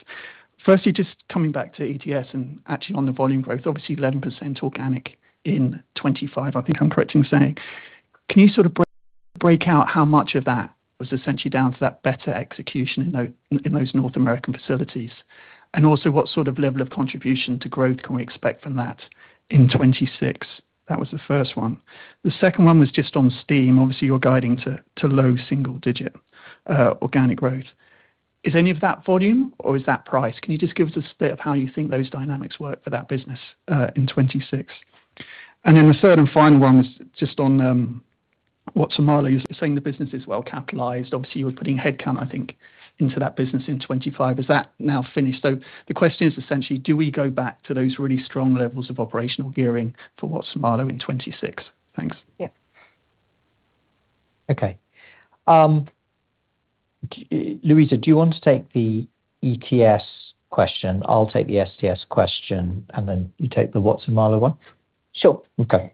Firstly, just coming back to ETS and actually on the volume growth, obviously 11% organic in 2025, I think I'm correct in saying. Can you break out how much of that was essentially down to that better execution in those North American facilities? And also what level of contribution to growth can we expect from that in 2026? That was the first one. The second one was just on Steam. Obviously, you're guiding to low single-digit organic growth. Is any of that volume or is that price? Can you just give us a bit of how you think those dynamics work for that business in 2026? And then the third and final one was just on Watson-Marlow. You're saying the business is well capitalized. Obviously, you were putting headcount, I think, into that business in 2025. Is that now finished? The question is essentially, do we go back to those really strong levels of operational gearing for Watson-Marlow in 2026? Thanks. Yeah. Okay. Louisa, do you want to take the ETS question? I'll take the STS question, and then you take the Watson-Marlow one. Sure. Okay.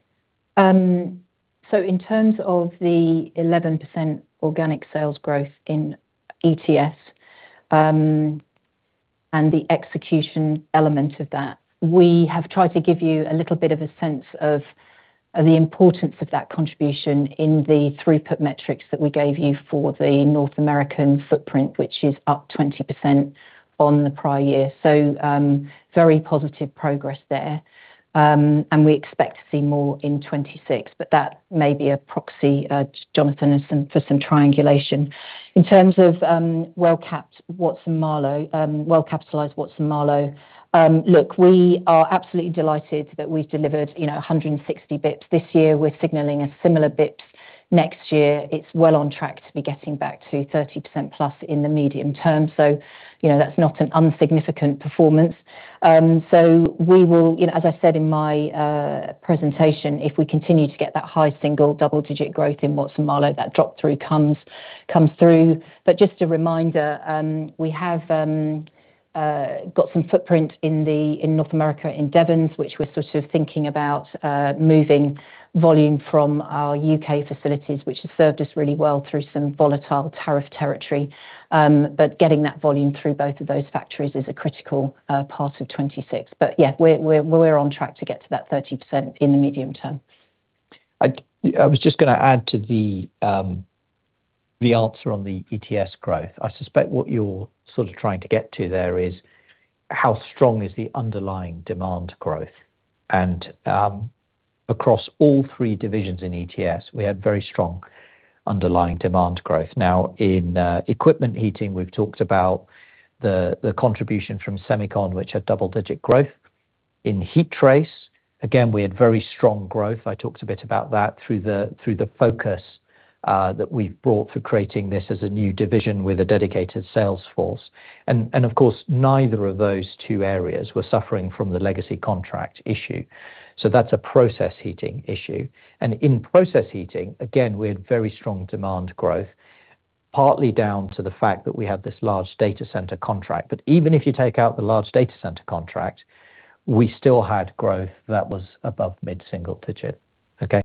In terms of the 11% organic sales growth in ETS, and the execution element of that, we have tried to give you a little bit of a sense of the importance of that contribution in the throughput metrics that we gave you for the North American footprint, which is up 20% on the prior year. Very positive progress there. We expect to see more in 2026, but that may be a proxy, Jonathan, for some triangulation. In terms of well capitalized Watson-Marlow. Look, we are absolutely delighted that we've delivered 160 basis points this year. We're signaling a similar basis points next year. It's well on track to be getting back to 30%+ in the medium term. That's not an insignificant performance. We will, as I said in my presentation, if we continue to get that high single, double-digit growth in Watson-Marlow, that drop-through comes through. Just a reminder, we have got some footprint in North America, in Devens, which we're thinking about moving volume from our U.K. facilities, which have served us really well through some volatile tariff territory. Getting that volume through both of those factories is a critical part of 2026. Yeah, we're on track to get to that 30% in the medium term. I was just gonna add to the answer on the ETS growth. I suspect what you're trying to get to there is how strong is the underlying demand growth. Across all three divisions in ETS, we had very strong underlying demand growth. Now, in equipment heating, we've talked about the contribution from Semicon, which had double-digit growth. In heat trace, again, we had very strong growth. I talked a bit about that through the focus that we've brought for creating this as a new division with a dedicated sales force. Of course, neither of those two areas were suffering from the legacy contract issue. So that's a process heating issue. In process heating, again, we had very strong demand growth, partly down to the fact that we had this large data center contract. Even if you take out the large data center contract, we still had growth that was above mid-single digit. Okay?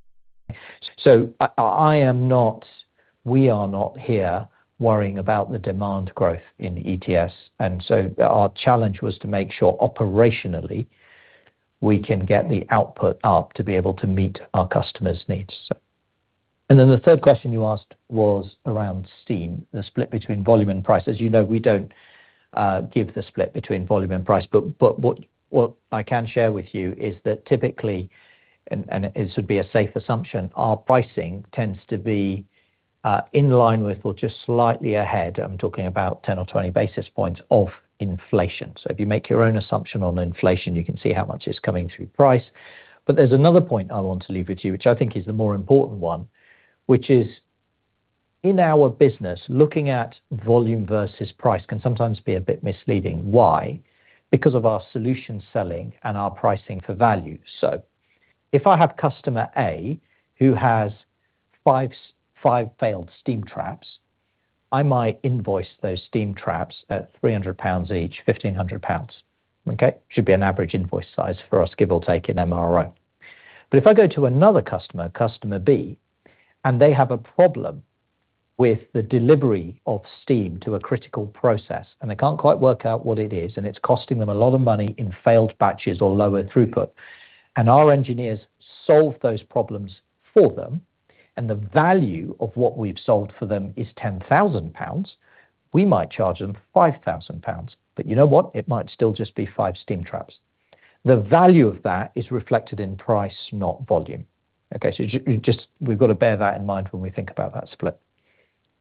We are not here worrying about the demand growth in ETS. Our challenge was to make sure operationally we can get the output up to be able to meet our customers' needs. The third question you asked was around steam, the split between volume and price. As you know, we don't give the split between volume and price, but what I can share with you is that typically, and this would be a safe assumption, our pricing tends to be in line with or just slightly ahead. I'm talking about 10 or 20 basis points of inflation. If you make your own assumption on inflation, you can see how much is coming through price. There's another point I want to leave with you, which I think is the more important one, which is in our business, looking at volume versus price can sometimes be a bit misleading. Why? Because of our solution-selling and our pricing for value. If I have customer A who has five failed steam traps, I might invoice those steam traps at 300 pounds each, 1,500 pounds. Okay. Should be an average invoice size for us, give or take in MRO. If I go to another customer B, and they have a problem with the delivery of steam to a critical process, and they can't quite work out what it is, and it's costing them a lot of money in failed batches or lower throughput, and our engineers solve those problems for them, and the value of what we've sold for them is 10,000 pounds, we might charge them 5,000 pounds. You know what? It might still just be five steam traps. The value of that is reflected in price, not volume. Okay. Just we've got to bear that in mind when we think about that split.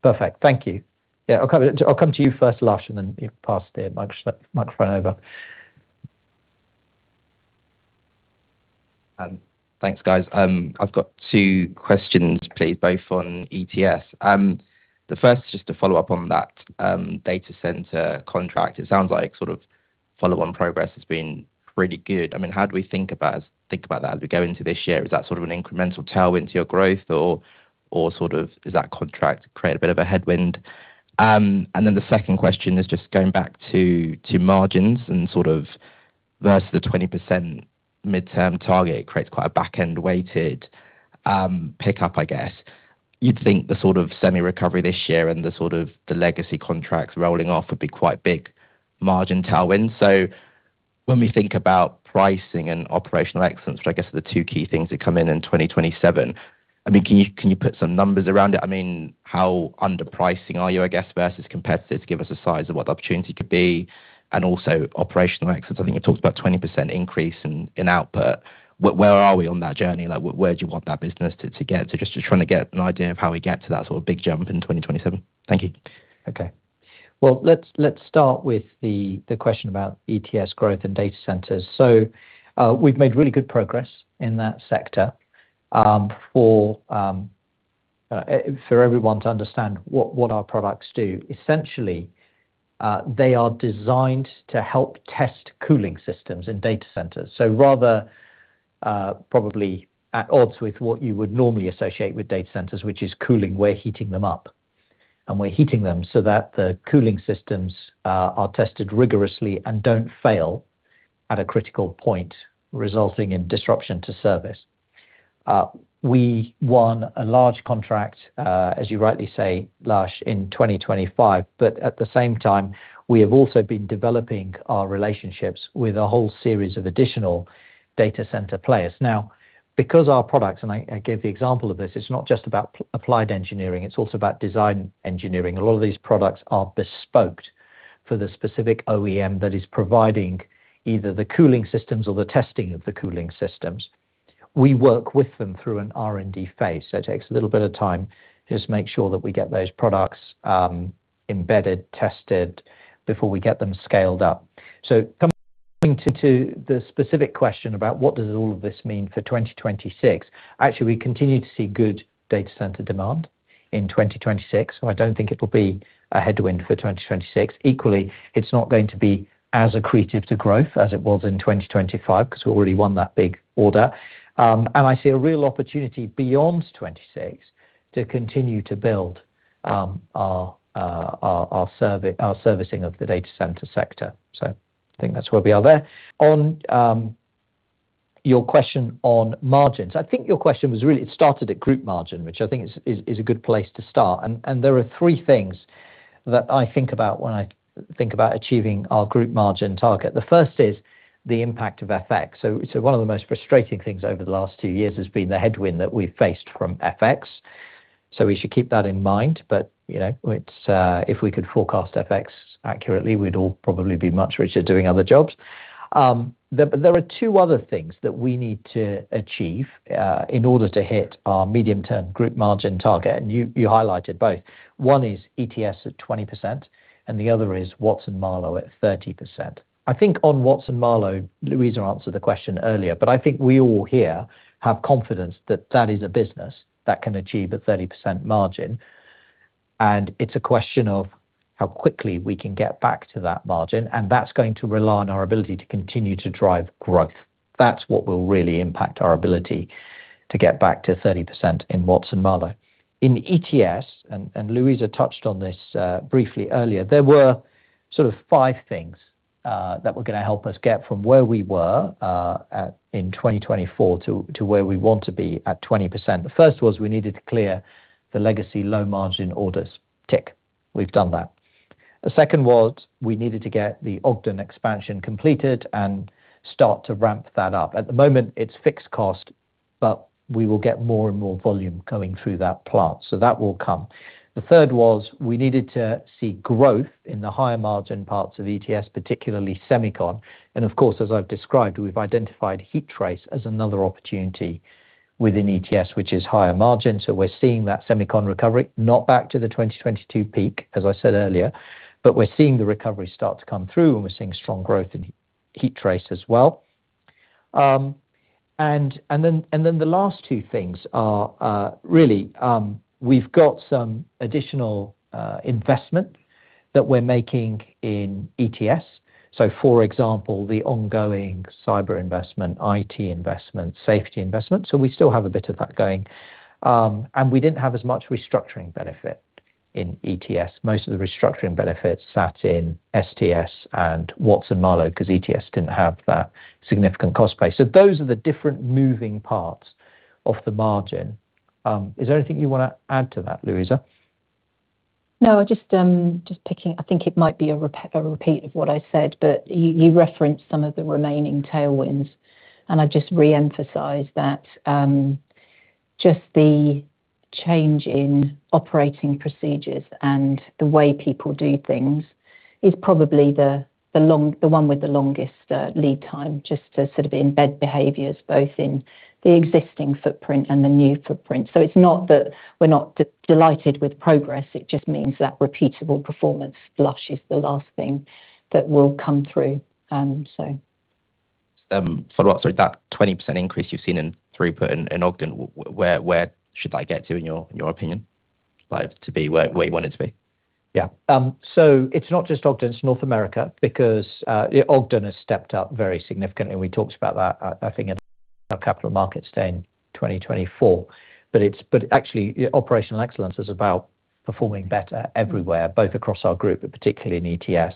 Perfect. Thank you. Yeah, I'll come to you first, Lush, and then pass the microphone over. Thanks, guys. I've got two questions, please, both on ETS. The first, just to follow up on that data center contract, it sounds like sort of follow on progress has been really good. I mean, how do we think about that as we go into this year? Is that an incremental tailwind to your growth or does that contract create a bit of a headwind? The second question is just going back to margins and versus the 20% midterm target, it creates quite a back-end-weighted pickup, I guess. You'd think the semi recovery this year and the legacy contracts rolling off would be quite big margin tailwind. When we think about pricing and operational excellence, which I guess are the two key things that come in in 2027, I mean, can you put some numbers around it? I mean, how underpricing are you, I guess, versus competitors? Give us a size of what the opportunity could be and also operational excellence. I think it talks about 20% increase in output. Where are we on that journey? Like, where do you want that business to get? Just trying to get an idea of how we get to that big jump in 2027. Thank you. Okay. Well, let's start with the question about ETS growth and data centers. We've made really good progress in that sector, for everyone to understand what our products do. Essentially, they are designed to help test cooling systems in data centers. Rather, probably at odds with what you would normally associate with data centers, which is cooling, we're heating them up, and we're heating them so that the cooling systems are tested rigorously and don't fail at a critical point, resulting in disruption to service. We won a large contract, as you rightly say, Lush, in 2025, but at the same time, we have also been developing our relationships with a whole series of additional data center players. Now, because our products, and I gave the example of this, it's not just about applied engineering, it's also about design engineering. A lot of these products are bespoke for the specific OEM that is providing either the cooling systems or the testing of the cooling systems. We work with them through an R&D phase. It takes a little bit of time to just make sure that we get those products embedded, tested before we get them scaled up. Coming to the specific question about what does all of this mean for 2026? Actually, we continue to see good data center demand in 2026, so I don't think it'll be a headwind for 2026. Equally, it's not going to be as accretive to growth as it was in 2025 because we already won that big order. I see a real opportunity beyond 26 to continue to build our servicing of the data center sector. I think that's where we are there. On your question on margins. I think your question was really, it started at group margin, which I think is a good place to start. There are three things that I think about when I think about achieving our group margin target. The first is the impact of FX. One of the most frustrating things over the last two years has been the headwind that we've faced from FX. We should keep that in mind. You know, it's if we could forecast FX accurately, we'd all probably be much richer doing other jobs. There are two other things that we need to achieve in order to hit our medium-term group margin target. You highlighted both. One is ETS at 20%, and the other is Watson-Marlow at 30%. I think on Watson-Marlow, Louisa answered the question earlier, but I think we all here have confidence that that is a business that can achieve a 30% margin. It's a question of how quickly we can get back to that margin, and that's going to rely on our ability to continue to drive growth. That's what will really impact our ability to get back to 30% in Watson-Marlow. In ETS, Louisa touched on this briefly earlier, there were five things that were gonna help us get from where we were at in 2024 to where we want to be at 20%. The first was we needed to clear the legacy low margin orders. Tick. We've done that. The second was we needed to get the Ogden expansion completed and start to ramp that up. At the moment, it's fixed cost, but we will get more and more volume coming through that plant, so that will come. The third was we needed to see growth in the higher margin parts of ETS, particularly Semicon. Of course, as I've described, we've identified heat trace as another opportunity within ETS, which is higher margin. We're seeing that Semicon recovery, not back to the 2022 peak, as I said earlier, but we're seeing the recovery start to come through and we're seeing strong growth in heat trace as well. And then the last two things are really we've got some additional investment that we're making in ETS. For example, the ongoing cyber investment, IT investment, safety investment. We still have a bit of that going. And we didn't have as much restructuring benefit in ETS. Most of the restructuring benefits sat in STS and Watson-Marlow because ETS didn't have that significant cost base. Those are the different moving parts of the margin. Is there anything you want to add to that, Louisa? No, just picking—I think it might be a repeat of what I said, but you referenced some of the remaining tailwinds, and I just reemphasize that, just the change in operating procedures and the way people do things is probably the one with the longest lead time, just to embed behaviors both in the existing footprint and the new footprint. It's not that we're not delighted with progress. It just means that repeatable performance fully through is the last thing that will come through. Follow-up. That 20% increase you've seen in throughput in Ogden, where should that get to, in your opinion? Like to be where you want it to be? Yeah. So it's not just Ogden, it's North America, because Ogden has stepped up very significantly. We talked about that, I think at our Capital Markets Day in 2024. Actually operational excellence is about performing better everywhere, both across our group and particularly in ETS.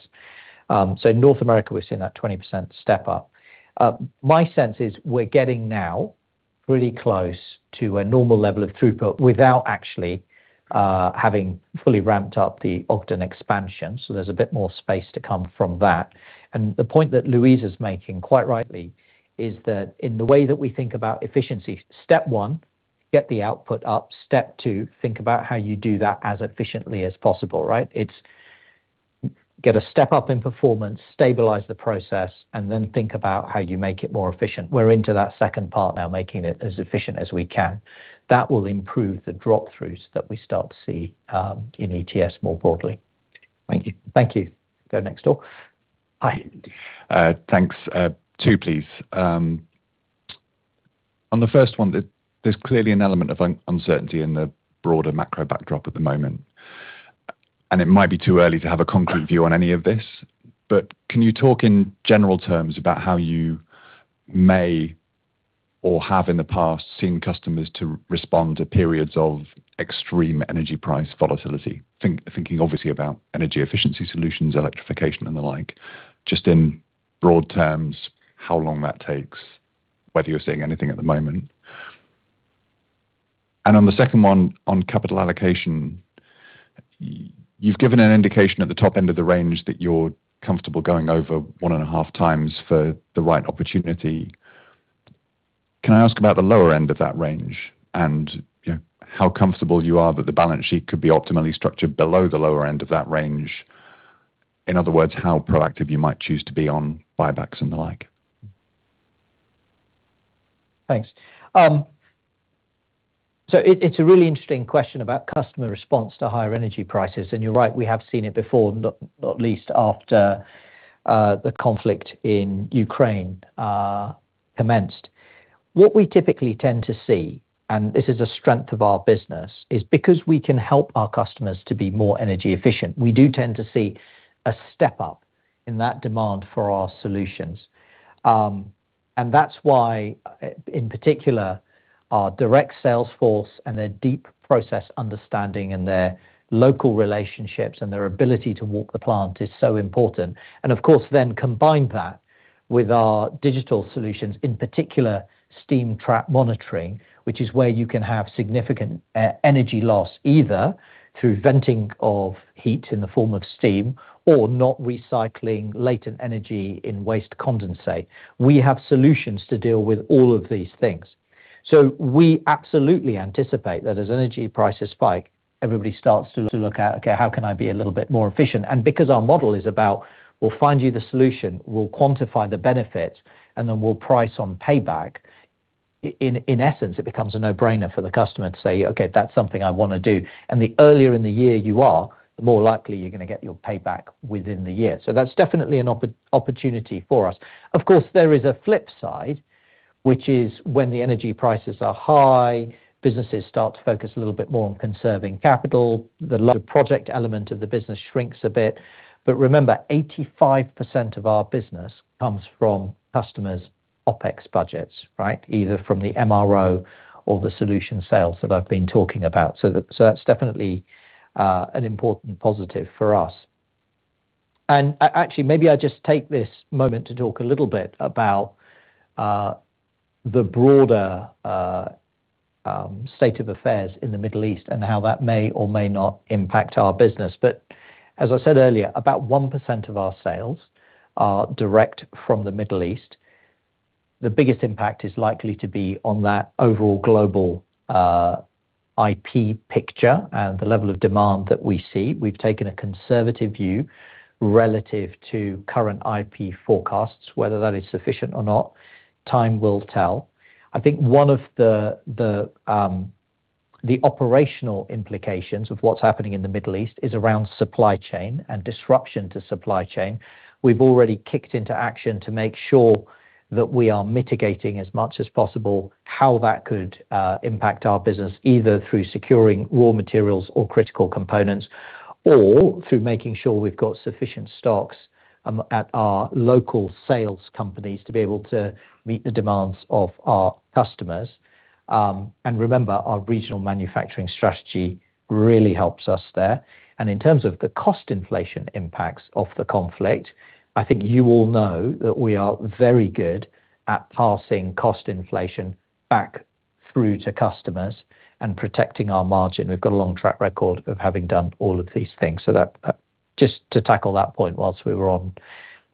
So North America, we've seen that 20% step up. My sense is we're getting now really close to a normal level of throughput without actually having fully ramped up the Ogden expansion. So there's a bit more space to come from that. The point that Louisa's making, quite rightly, is that in the way that we think about efficiency, step one, get the output up. Step two, think about how you do that as efficiently as possible, right? It's to get a step up in performance, stabilize the process, and then think about how you make it more efficient. We're into that second part now, making it as efficient as we can. That will improve the drop throughs that we start to see in ETS more broadly. Thank you. Thank you. Go next door. Hi. Thanks. Two, please. On the first one, there's clearly an element of uncertainty in the broader macro backdrop at the moment, and it might be too early to have a concrete view on any of this. But can you talk in general terms about how you may or have in the past seen customers respond to periods of extreme energy price volatility? Thinking obviously about energy efficiency solutions, electrification and the like, just in broad terms, how long that takes, whether you're seeing anything at the moment. On the second one, on capital allocation, you've given an indication at the top end of the range that you're comfortable going over 1.5x for the right opportunity. Can I ask about the lower end of that range and how comfortable you are that the balance sheet could be optimally structured below the lower end of that range? In other words, how proactive you might choose to be on buybacks and the like. Thanks. It's a really interesting question about customer response to higher energy prices. You're right, we have seen it before, not least after the conflict in Ukraine commenced. What we typically tend to see, and this is a strength of our business, is because we can help our customers to be more energy efficient, we do tend to see a step up in that demand for our solutions. That's why in particular, our direct sales force and their deep process understanding and their local relationships and their ability to walk the plant is so important. Of course then combine that with our digital solutions, in particular steam trap monitoring, which is where you can have significant energy loss either through venting of heat in the form of steam or not recycling latent energy in waste condensate. We have solutions to deal with all of these things. We absolutely anticipate that as energy prices spike, everybody starts to look at, okay, how can I be a little bit more efficient? Because our model is about, we'll find you the solution, we'll quantify the benefits, and then we'll price on payback. In essence, it becomes a no-brainer for the customer to say, "Okay, that's something I wanna do." The earlier in the year you are, the more likely you're gonna get your payback within the year. That's definitely an opportunity for us. Of course, there is a flip side, which is when the energy prices are high, businesses start to focus a little bit more on conserving capital. The large project element of the business shrinks a bit. Remember, 85% of our business comes from customers' OpEx budgets, right? Either from the MRO or the solution-sales that I've been talking about. So that's definitely an important positive for us. Actually, maybe I just take this moment to talk a little bit about the broader state of affairs in the Middle East and how that may or may not impact our business. As I said earlier, about 1% of our sales are direct from the Middle East. The biggest impact is likely to be on that overall global IP picture and the level of demand that we see. We've taken a conservative view relative to current IP forecasts. Whether that is sufficient or not, time will tell. I think one of the operational implications of what's happening in the Middle East is around supply chain and disruption to supply chain. We've already kicked into action to make sure that we are mitigating as much as possible how that could impact our business, either through securing raw materials or critical components, or through making sure we've got sufficient stocks at our local sales companies to be able to meet the demands of our customers. Remember, our regional manufacturing strategy really helps us there. In terms of the cost inflation impacts of the conflict, I think you all know that we are very good at passing cost inflation back through to customers and protecting our margin. We've got a long track record of having done all of these things. That just to tackle that point while we were on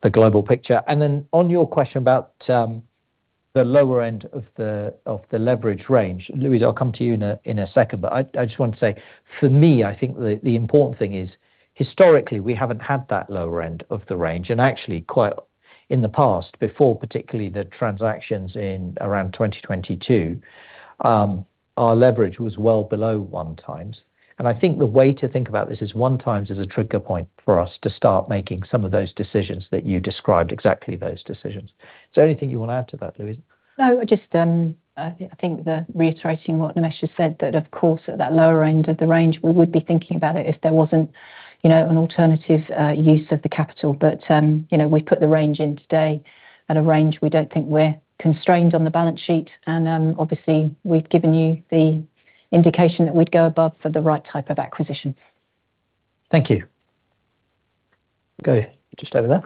the global picture. On your question about the lower end of the leverage range, Louisa, I'll come to you in a second, but I just want to say, for me, I think the important thing is, historically, we haven't had that lower end of the range. Actually, quite in the past, before particularly the transactions in around 2022, our leverage was well below 1x. I think the way to think about this is 1x is a trigger point for us to start making some of those decisions that you described, exactly those decisions. Is there anything you want to add to that, Louisa? No, just I think reiterating what Nimesh has said, that of course, at that lower end of the range, we would be thinking about it if there wasn't an alternative use of the capital. We put the range in today at a range we don't think we're constrained on the balance sheet. Obviously, we've given you the indication that we'd go above for the right type of acquisitions. Thank you. Go just over there.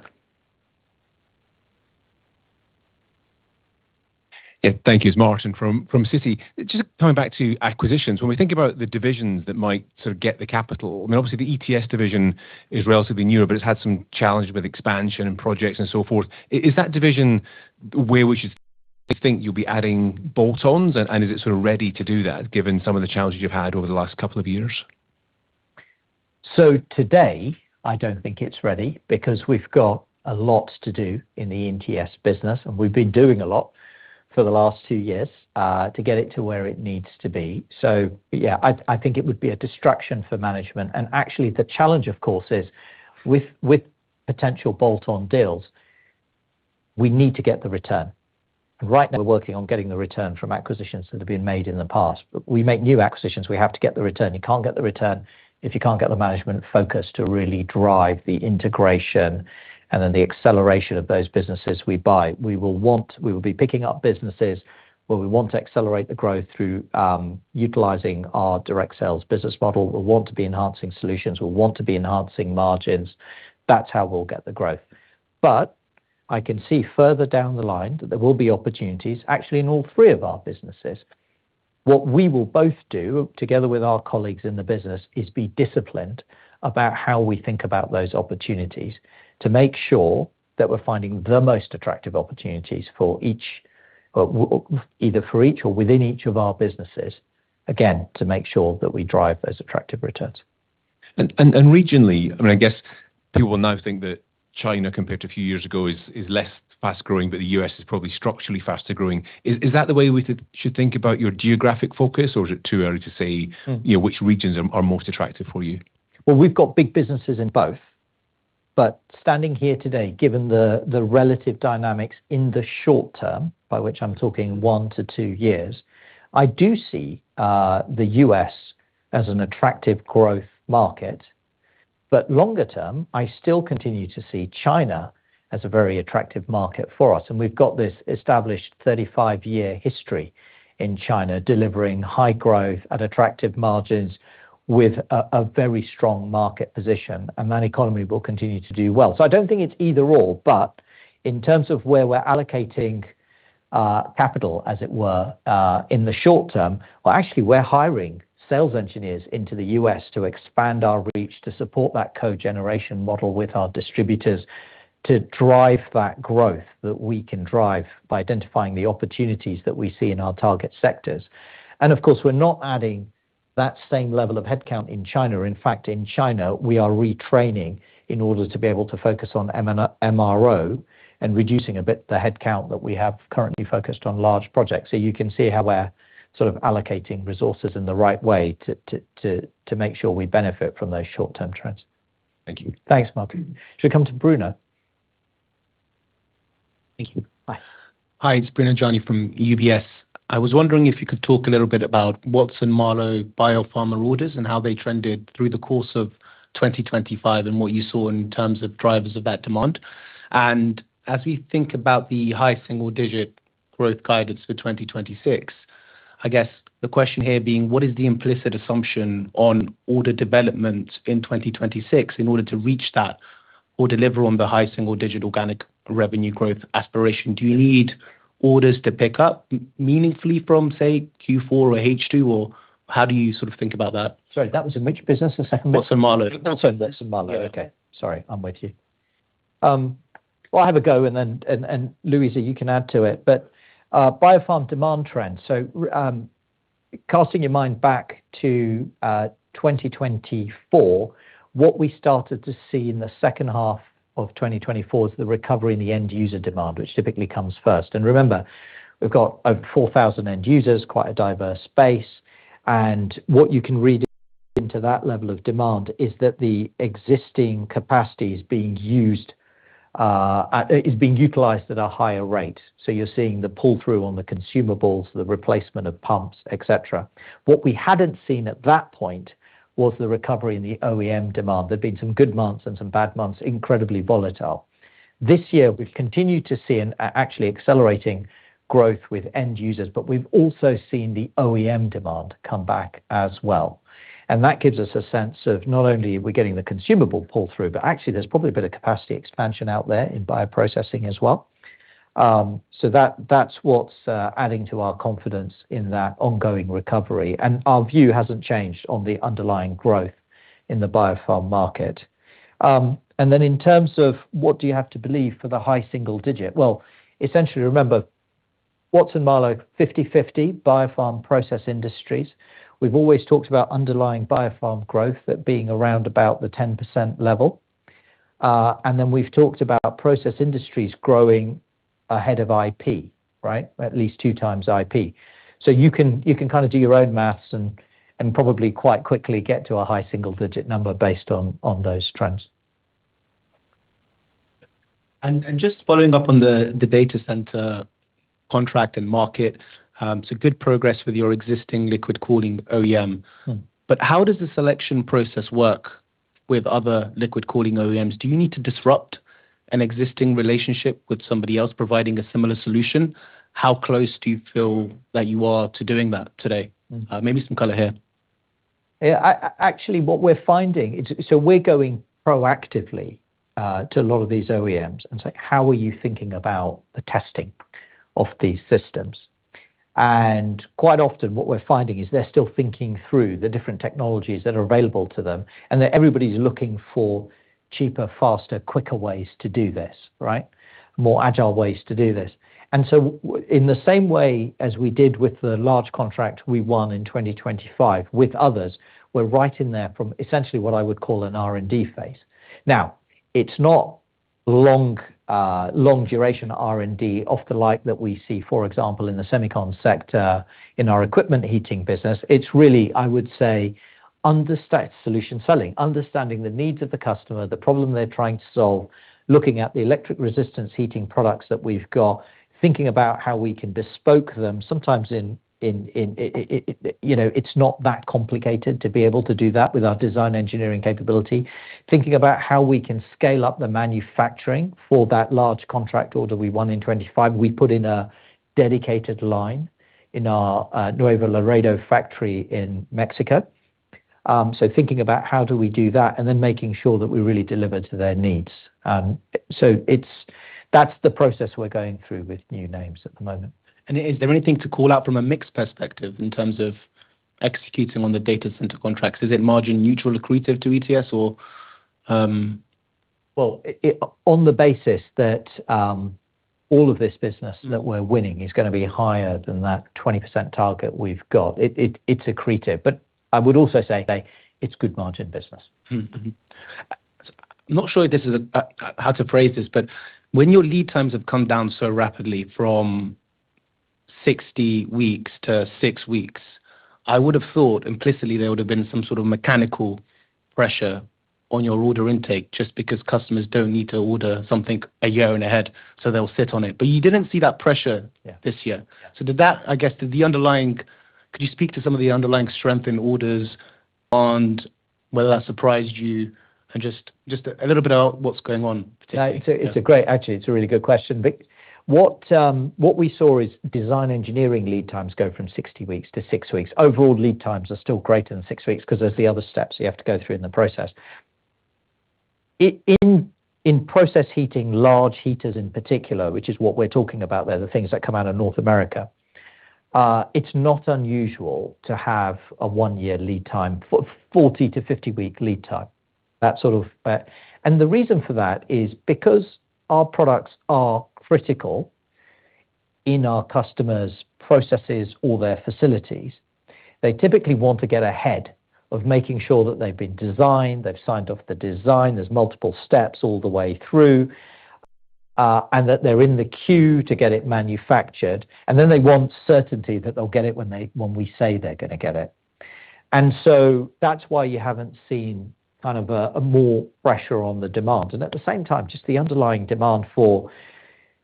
Yeah. Thank you. It's Martin from Citi. Just coming back to acquisitions. When we think about the divisions that might get the capital, I mean, obviously the ETS division is relatively newer, but it's had some challenges with expansion and projects and so forth. Is that division where we should think you'll be adding bolt-ons, and is it ready to do that given some of the challenges you've had over the last couple of years? Today, I don't think it's ready because we've got a lot to do in the ETS business, and we've been doing a lot for the last two years to get it to where it needs to be. Yeah, I think it would be a distraction for management. Actually, the challenge, of course, is with potential bolt-on deals, we need to get the return. Right now, we're working on getting the return from acquisitions that have been made in the past. We make new acquisitions, we have to get the return. You can't get the return if you can't get the management focus to really drive the integration and then the acceleration of those businesses we buy. We will be picking up businesses where we want to accelerate the growth through utilizing our direct sales business model. We want to be enhancing solutions. We want to be enhancing margins. That's how we'll get the growth. I can see further down the line that there will be opportunities actually in all three of our businesses. What we will both do, together with our colleagues in the business, is be disciplined about how we think about those opportunities to make sure that we're finding the most attractive opportunities for each, either for each or within each of our businesses, again, to make sure that we drive those attractive returns. Regionally, I mean, I guess people now think that China, compared to a few years ago, is less fast-growing, but the U.S. is probably structurally faster-growing. Is that the way we should think about your geographic focus, or is it too early to say? Which regions are most attractive for you? Well, we've got big businesses in both. Standing here today, given the relative dynamics in the short term, by which I'm talking 1-2 years, I do see the U.S. as an attractive growth market. Longer term, I still continue to see China as a very attractive market for us. We've got this established 35-year history in China, delivering high growth at attractive margins with a very strong market position, and that economy will continue to do well. I don't think it's either/or, but in terms of where we're allocating capital, as it were, in the short term. Well, actually, we're hiring sales engineers into the U.S. to expand our reach to support that cogeneration model with our distributors to drive that growth that we can drive by identifying the opportunities that we see in our target sectors. Of course, we're not adding that same level of headcount in China. In fact, in China, we are retraining in order to be able to focus on MRO and reducing a bit the headcount that we have currently focused on large projects. You can see how we're allocating resources in the right way to make sure we benefit from those short-term trends. Thank you. Thanks, Martin. Should we come to Bruno? Thank you. Hi, it's Bruno Gjani from UBS. I was wondering if you could talk a little bit about Watson-Marlow Biopharm orders and how they trended through the course of 2025 and what you saw in terms of drivers of that demand. As we think about the high single-digit growth guidance for 2026, I guess the question here being, what is the implicit assumption on order development in 2026 in order to reach that or deliver on the high single-digit organic revenue growth aspiration. Do you see orders to pick up meaningfully from, say, Q4 or H2, or how do you think about that? Sorry, that was in which business? The second business. Watson-Marlow. Oh, sorry. Watson-Marlow. Yeah, okay. Sorry. I'm with you. Well, I'll have a go and then Louisa, you can add to it. Biopharm demand trends. Casting your mind back to 2024, what we started to see in the second half of 2024 is the recovery in the end user demand, which typically comes first. Remember, we've got over 4,000 end users, quite a diverse space. What you can read into that level of demand is that the existing capacity is being utilized at a higher rate. You're seeing the pull through on the consumables, the replacement of pumps, et cetera. What we hadn't seen at that point was the recovery in the OEM demand. There'd been some good months and some bad months, incredibly volatile. This year, we've continued to see actually accelerating growth with end users, but we've also seen the OEM demand come back as well. That gives us a sense of not only are we getting the consumable pull through, but actually there's probably a bit of capacity expansion out there in bioprocessing as well. So that's what's adding to our confidence in that ongoing recovery. Our view hasn't changed on the underlying growth in the Biopharm market. Then in terms of what do you have to believe for the high single digit? Well, essentially, remember, Watson-Marlow, 50/50 Biopharm process industries. We've always talked about underlying Biopharm growth at being around about the 10% level. Then we've talked about process industries growing ahead of IP, right? At least 2x IP. You can do your own math and probably quite quickly get to a high single digit number based on those trends. Just following up on the data center contract and market, so good progress with your existing liquid cooling OEM. How does the selection process work with other liquid cooling OEMs? Do you need to disrupt an existing relationship with somebody else providing a similar solution? How close do you feel that you are to doing that today? Maybe some color here. Actually, what we're finding, we're going proactively to a lot of these OEMs and say, "How are you thinking about the testing of these systems?" Quite often, what we're finding is they're still thinking through the different technologies that are available to them, and that everybody's looking for cheaper, faster, quicker ways to do this, right? More agile ways to do this. In the same way as we did with the large contract we won in 2025 with others, we're right in there from essentially what I would call an R&D phase. Now, it's not long duration R&D of the like that we see, for example, in the Semicon sector, in our electric heating business. It's really, I would say, understand solution-selling, understanding the needs of the customer, the problem they're trying to solve, looking at the electric resistance heating products that we've got, thinking about how we can bespoke them. Sometimes, it's not that complicated to be able to do that with our design engineering capability. Thinking about how we can scale up the manufacturing for that large contract order we won in 2025. We put in a dedicated line in our Nuevo Laredo factory in Mexico. Thinking about how do we do that, and then making sure that we really deliver to their needs. That's the process we're going through with new names at the moment. Is there anything to call out from a mix perspective in terms of executing on the data center contracts? Is it margin neutral accretive to ETS or... Well, on the basis that all of this business that we're winning is gonna be higher than that 20% target we've got, it's accretive. I would also say it's good margin business. I'm not sure if this is how to phrase this, but when your lead times have come down so rapidly from 60 weeks to six weeks, I would have thought implicitly there would have been some mechanical pressure on your order intake just because customers don't need to order something a year ahead, so they'll sit on it. You didn't see that pressure this year. Yeah. Could you speak to some of the underlying strength in orders and whether that surprised you, and just a little bit about what's going on particularly? It's a really good question. But what we saw is design engineering lead times go from 60 weeks to six weeks. Overall, lead times are still greater than six weeks because there's the other steps you have to go through in the process. In process heating, large heaters in particular, which is what we're talking about there, the things that come out of North America, it's not unusual to have a one-year lead time, 40-50 week lead time. The reason for that is because our products are critical in our customers' processes or their facilities, they typically want to get ahead of making sure that they've been designed, they've signed off the design, there's multiple steps all the way through, and that they're in the queue to get it manufactured. Then they want certainty that they'll get it when they—when we say they're gonna get it. That's why you haven't seen a more pressure on the demand. At the same time, just the underlying demand for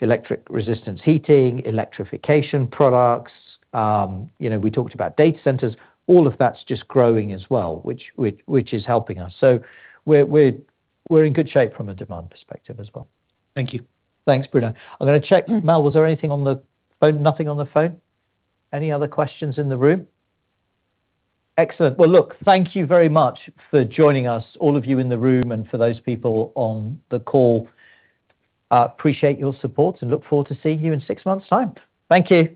electric resistance heating, electrification products, we talked about data centers, all of that's just growing as well, which is helping us. We're in good shape from a demand perspective as well. Thank you. Thanks, Bruno. I'm gonna check. Mel, was there anything on the phone? Nothing on the phone. Any other questions in the room? Excellent. Well, look, thank you very much for joining us, all of you in the room and for those people on the call. I appreciate your support and look forward to seeing you in six months time. Thank you.